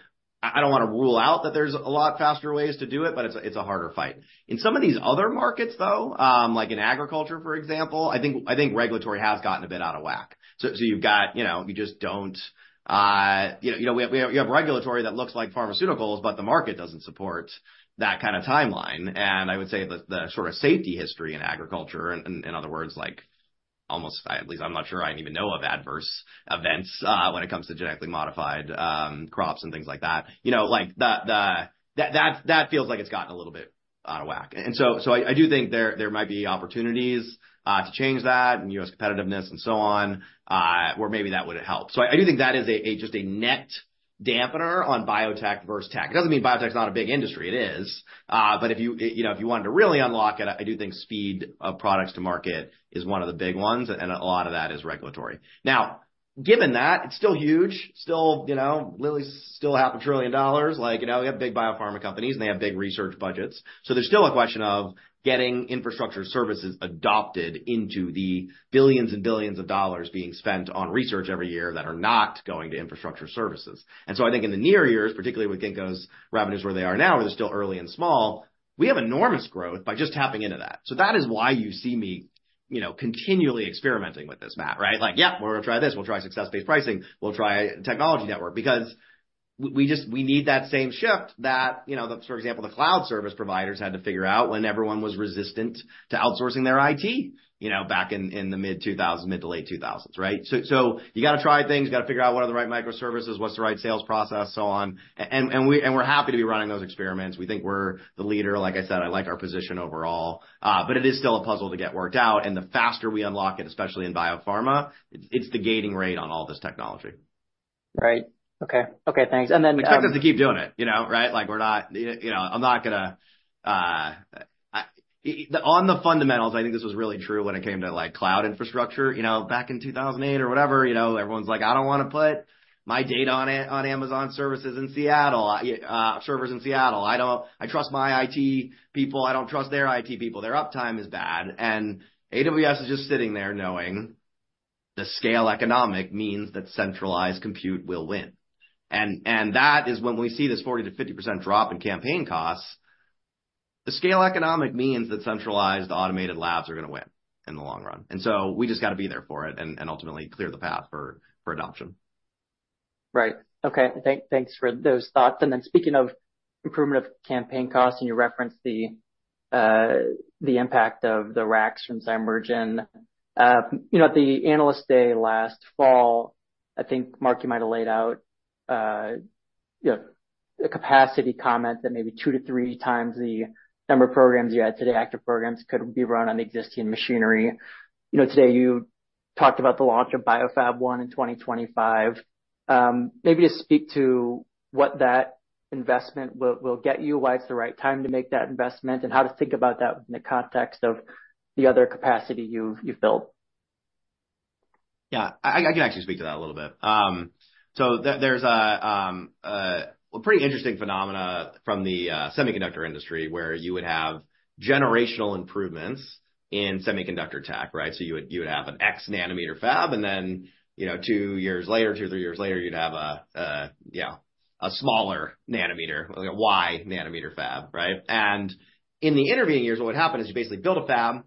I don't want to rule out that there's a lot faster ways to do it, but it's a harder fight. In some of these other markets, though, like in agriculture, for example, I think regulatory has gotten a bit out of whack. So you've got regulatory that looks like pharmaceuticals, but the market doesn't support that kind of timeline. And I would say the sort of safety history in agriculture, in other words, almost at least, I'm not sure I even know of adverse events when it comes to genetically modified crops and things like that. That feels like it's gotten a little bit out of whack. So I do think there might be opportunities to change that and U.S. competitiveness and so on, where maybe that would help. So I do think that is just a net dampener on biotech versus tech. It doesn't mean biotech is not a big industry. It is. But if you wanted to really unlock it, I do think speed of products to market is one of the big ones. And a lot of that is regulatory. Now, given that, it's still huge. Still, Lilly's still $500 billion. We have big biopharma companies, and they have big research budgets. So there's still a question of getting infrastructure services adopted into the billions and billions of dollars being spent on research every year that are not going to infrastructure services. I think in the near years, particularly with Ginkgo's revenues where they are now, where they're still early and small, we have enormous growth by just tapping into that. That is why you see me continually experimenting with this, Matt, right? Like, "Yep. We're going to try this. We'll try success-based pricing. We'll try a technology network." Because we need that same shift that, for example, the cloud service providers had to figure out when everyone was resistant to outsourcing their IT back in the mid-2000s, mid- to late 2000s, right? You got to try things. You got to figure out what are the right microservices, what's the right sales process, so on. We're happy to be running those experiments. We think we're the leader. Like I said, I like our position overall. But it is still a puzzle to get worked out. The faster we unlock it, especially in biopharma, it's the gating rate on all this technology. Right. Okay. Okay. Thanks. And then we expect us to keep doing it, right? We're not—I'm not going to on the fundamentals. I think this was really true when it came to cloud infrastructure. Back in 2008 or whatever, everyone's like, "I don't want to put my data on Amazon Web Services in Seattle. Servers in Seattle. I trust my IT people. I don't trust their IT people. Their uptime is bad." And AWS is just sitting there knowing the scale economics means that centralized compute will win. And that is when we see this 40%-50% drop in campaign costs. The scale economics means that centralized, automated labs are going to win in the long run. And so we just got to be there for it and ultimately clear the path for adoption. Right. Okay. Thanks for those thoughts. And then speaking of improvement of campaign costs, and you referenced the impact of the RACs from Zymergen. At the analyst day last fall, I think, Mark, you might have laid out a capacity comment that maybe 2x-3x the number of programs you had today, active programs, could be run on existing machinery. Today, you talked about the launch of BioFab1 in 2025. Maybe just speak to what that investment will get you, why it's the right time to make that investment, and how to think about that in the context of the other capacity you've built. Yeah. I can actually speak to that a little bit. So there's a pretty interesting phenomenon from the semiconductor industry where you would have generational improvements in semiconductor tech, right? So you would have an X nanometer fab. And then 2 years later, 2 or 3 years later, you'd have a smaller nanometer, a Y nanometer fab, right? And in the intervening years, what would happen is you basically build a fab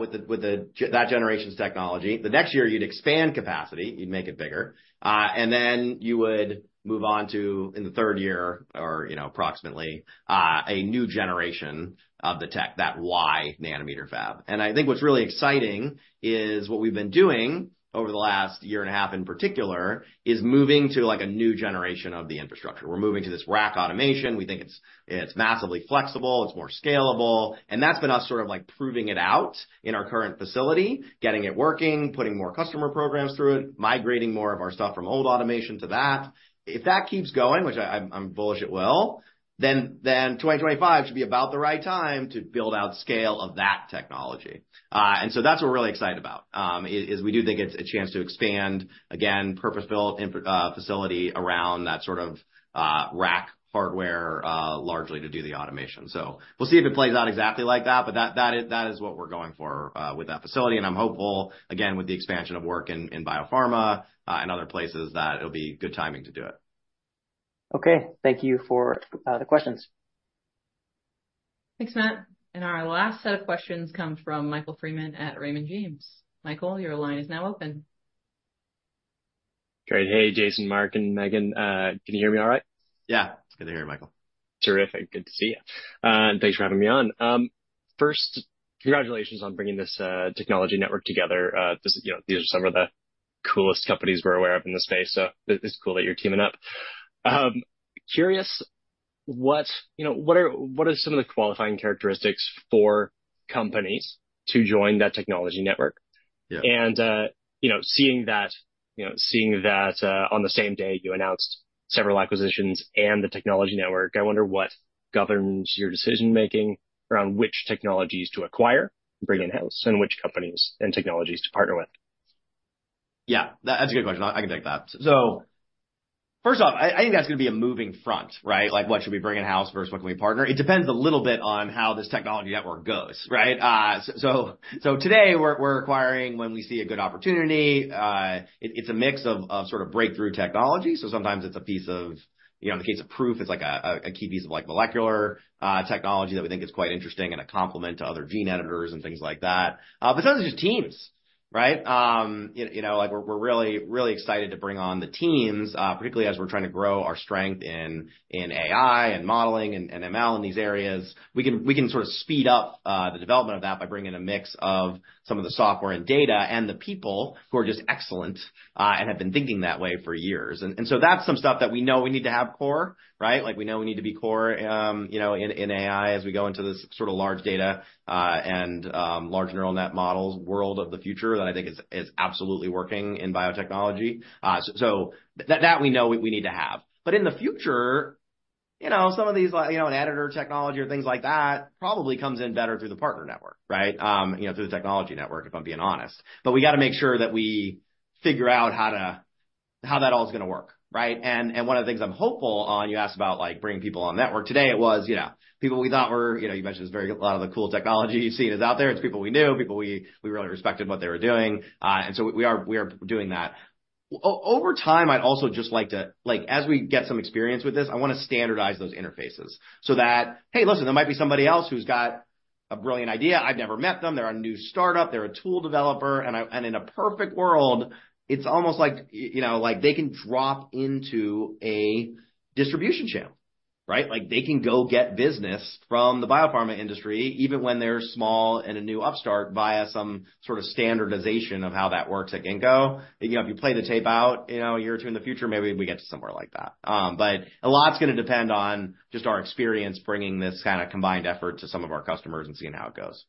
with that generation's technology. The next year, you'd expand capacity. You'd make it bigger. And then you would move on to, in the third year or approximately, a new generation of the tech, that Y nanometer fab. And I think what's really exciting is what we've been doing over the last year and a half in particular is moving to a new generation of the infrastructure. We're moving to this RAC automation. We think it's massively flexible. It's more scalable. And that's been us sort of proving it out in our current facility, getting it working, putting more customer programs through it, migrating more of our stuff from old automation to that. If that keeps going, which I'm bullish it will, then 2025 should be about the right time to build out scale of that technology. And so that's what we're really excited about is we do think it's a chance to expand, again, purpose-built facility around that sort of RAC hardware, largely to do the automation. So we'll see if it plays out exactly like that. But that is what we're going for with that facility. And I'm hopeful, again, with the expansion of work in biopharma and other places, that it'll be good timing to do it. Okay. Thank you for the questions. Thanks, Matt. And our last set of questions come from Michael Freeman at Raymond James. Michael, your line is now open. Great. Hey, Jason, Mark, and Megan. Can you hear me all right? Yeah. It's good to hear you, Michael. Terrific. Good to see you. Thanks for having me on. First, congratulations on bringing this technology network together. These are some of the coolest companies we're aware of in the space. It's cool that you're teaming up. Curious, what are some of the qualifying characteristics for companies to join that technology network? And seeing that on the same day, you announced several acquisitions and the technology network, I wonder what governs your decision-making around which technologies to acquire and bring in-house and which companies and technologies to partner with? Yeah. That's a good question. I can take that. First off, I think that's going to be a moving front, right? What should we bring in-house versus what can we partner? It depends a little bit on how this technology network goes, right? So today, we're acquiring when we see a good opportunity. It's a mix of sort of breakthrough technology. So sometimes it's a piece of in the case of Proof, it's a key piece of molecular technology that we think is quite interesting and a complement to other gene editors and things like that. But sometimes it's just teams, right? We're really, really excited to bring on the teams, particularly as we're trying to grow our strength in AI and modeling and ML in these areas. We can sort of speed up the development of that by bringing in a mix of some of the software and data and the people who are just excellent and have been thinking that way for years. And so that's some stuff that we know we need to have core, right? We know we need to be core in AI as we go into this sort of large data and large neural net model world of the future that I think is absolutely working in biotechnology. So that we know we need to have. But in the future, some of these an editor technology or things like that probably comes in better through the partner network, right? Through the technology network, if I'm being honest. But we got to make sure that we figure out how that all is going to work, right? And one of the things I'm hopeful on you asked about bringing people on network. Today, it was people we thought were you mentioned a lot of the cool technology you've seen is out there. It's people we knew, people we really respected what they were doing. And so we are doing that. Over time, I'd also just like to, as we get some experience with this, I want to standardize those interfaces so that, "Hey, listen, there might be somebody else who's got a brilliant idea. I've never met them. They're a new startup. They're a tool developer." And in a perfect world, it's almost like they can drop into a distribution channel, right? They can go get business from the biopharma industry, even when they're small and a new upstart, via some sort of standardization of how that works at Ginkgo. If you play the tape out a year or two in the future, maybe we get to somewhere like that. But a lot's going to depend on just our experience bringing this kind of combined effort to some of our customers and seeing how it goes.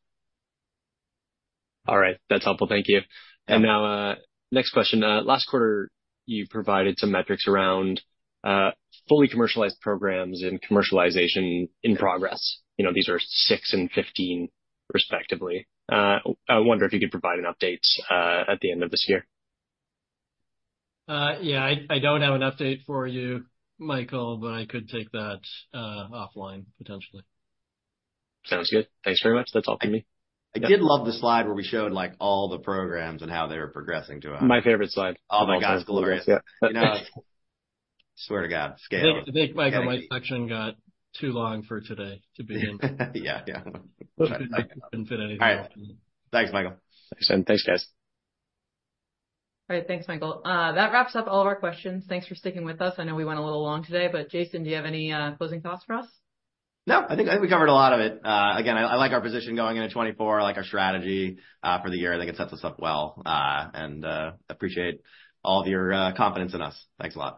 All right. That's helpful. Thank you. And now, next question. Last quarter, you provided some metrics around fully commercialized programs and commercialization in progress. These are 6 and 15, respectively. I wonder if you could provide an update at the endof this year. Yeah. I don't have an update for you, Michael, but I could take that offline, potentially. Sounds good. Thanks very much. That's all from me. I did love the slide where we showed all the programs and how they were progressing to us. My favorite slide. All the guys. All the guys. Yeah. Swear to God, scale. I think, Michael, my section got too long for today to begin. Yeah. Yeah. Didn't fit anything else in. All right. Thanks, Michael. Thanks, Andy. Thanks, guys. All right. Thanks, Michael. That wraps up all of our questions. Thanks for sticking with us. I know we went a little long today. Jason, do you have any closing thoughts for us? No. I think we covered a lot of it. Again, I like our position going into 2024, our strategy for the year. I think it sets us up well. I appreciate all of your confidence in us. Thanks a lot.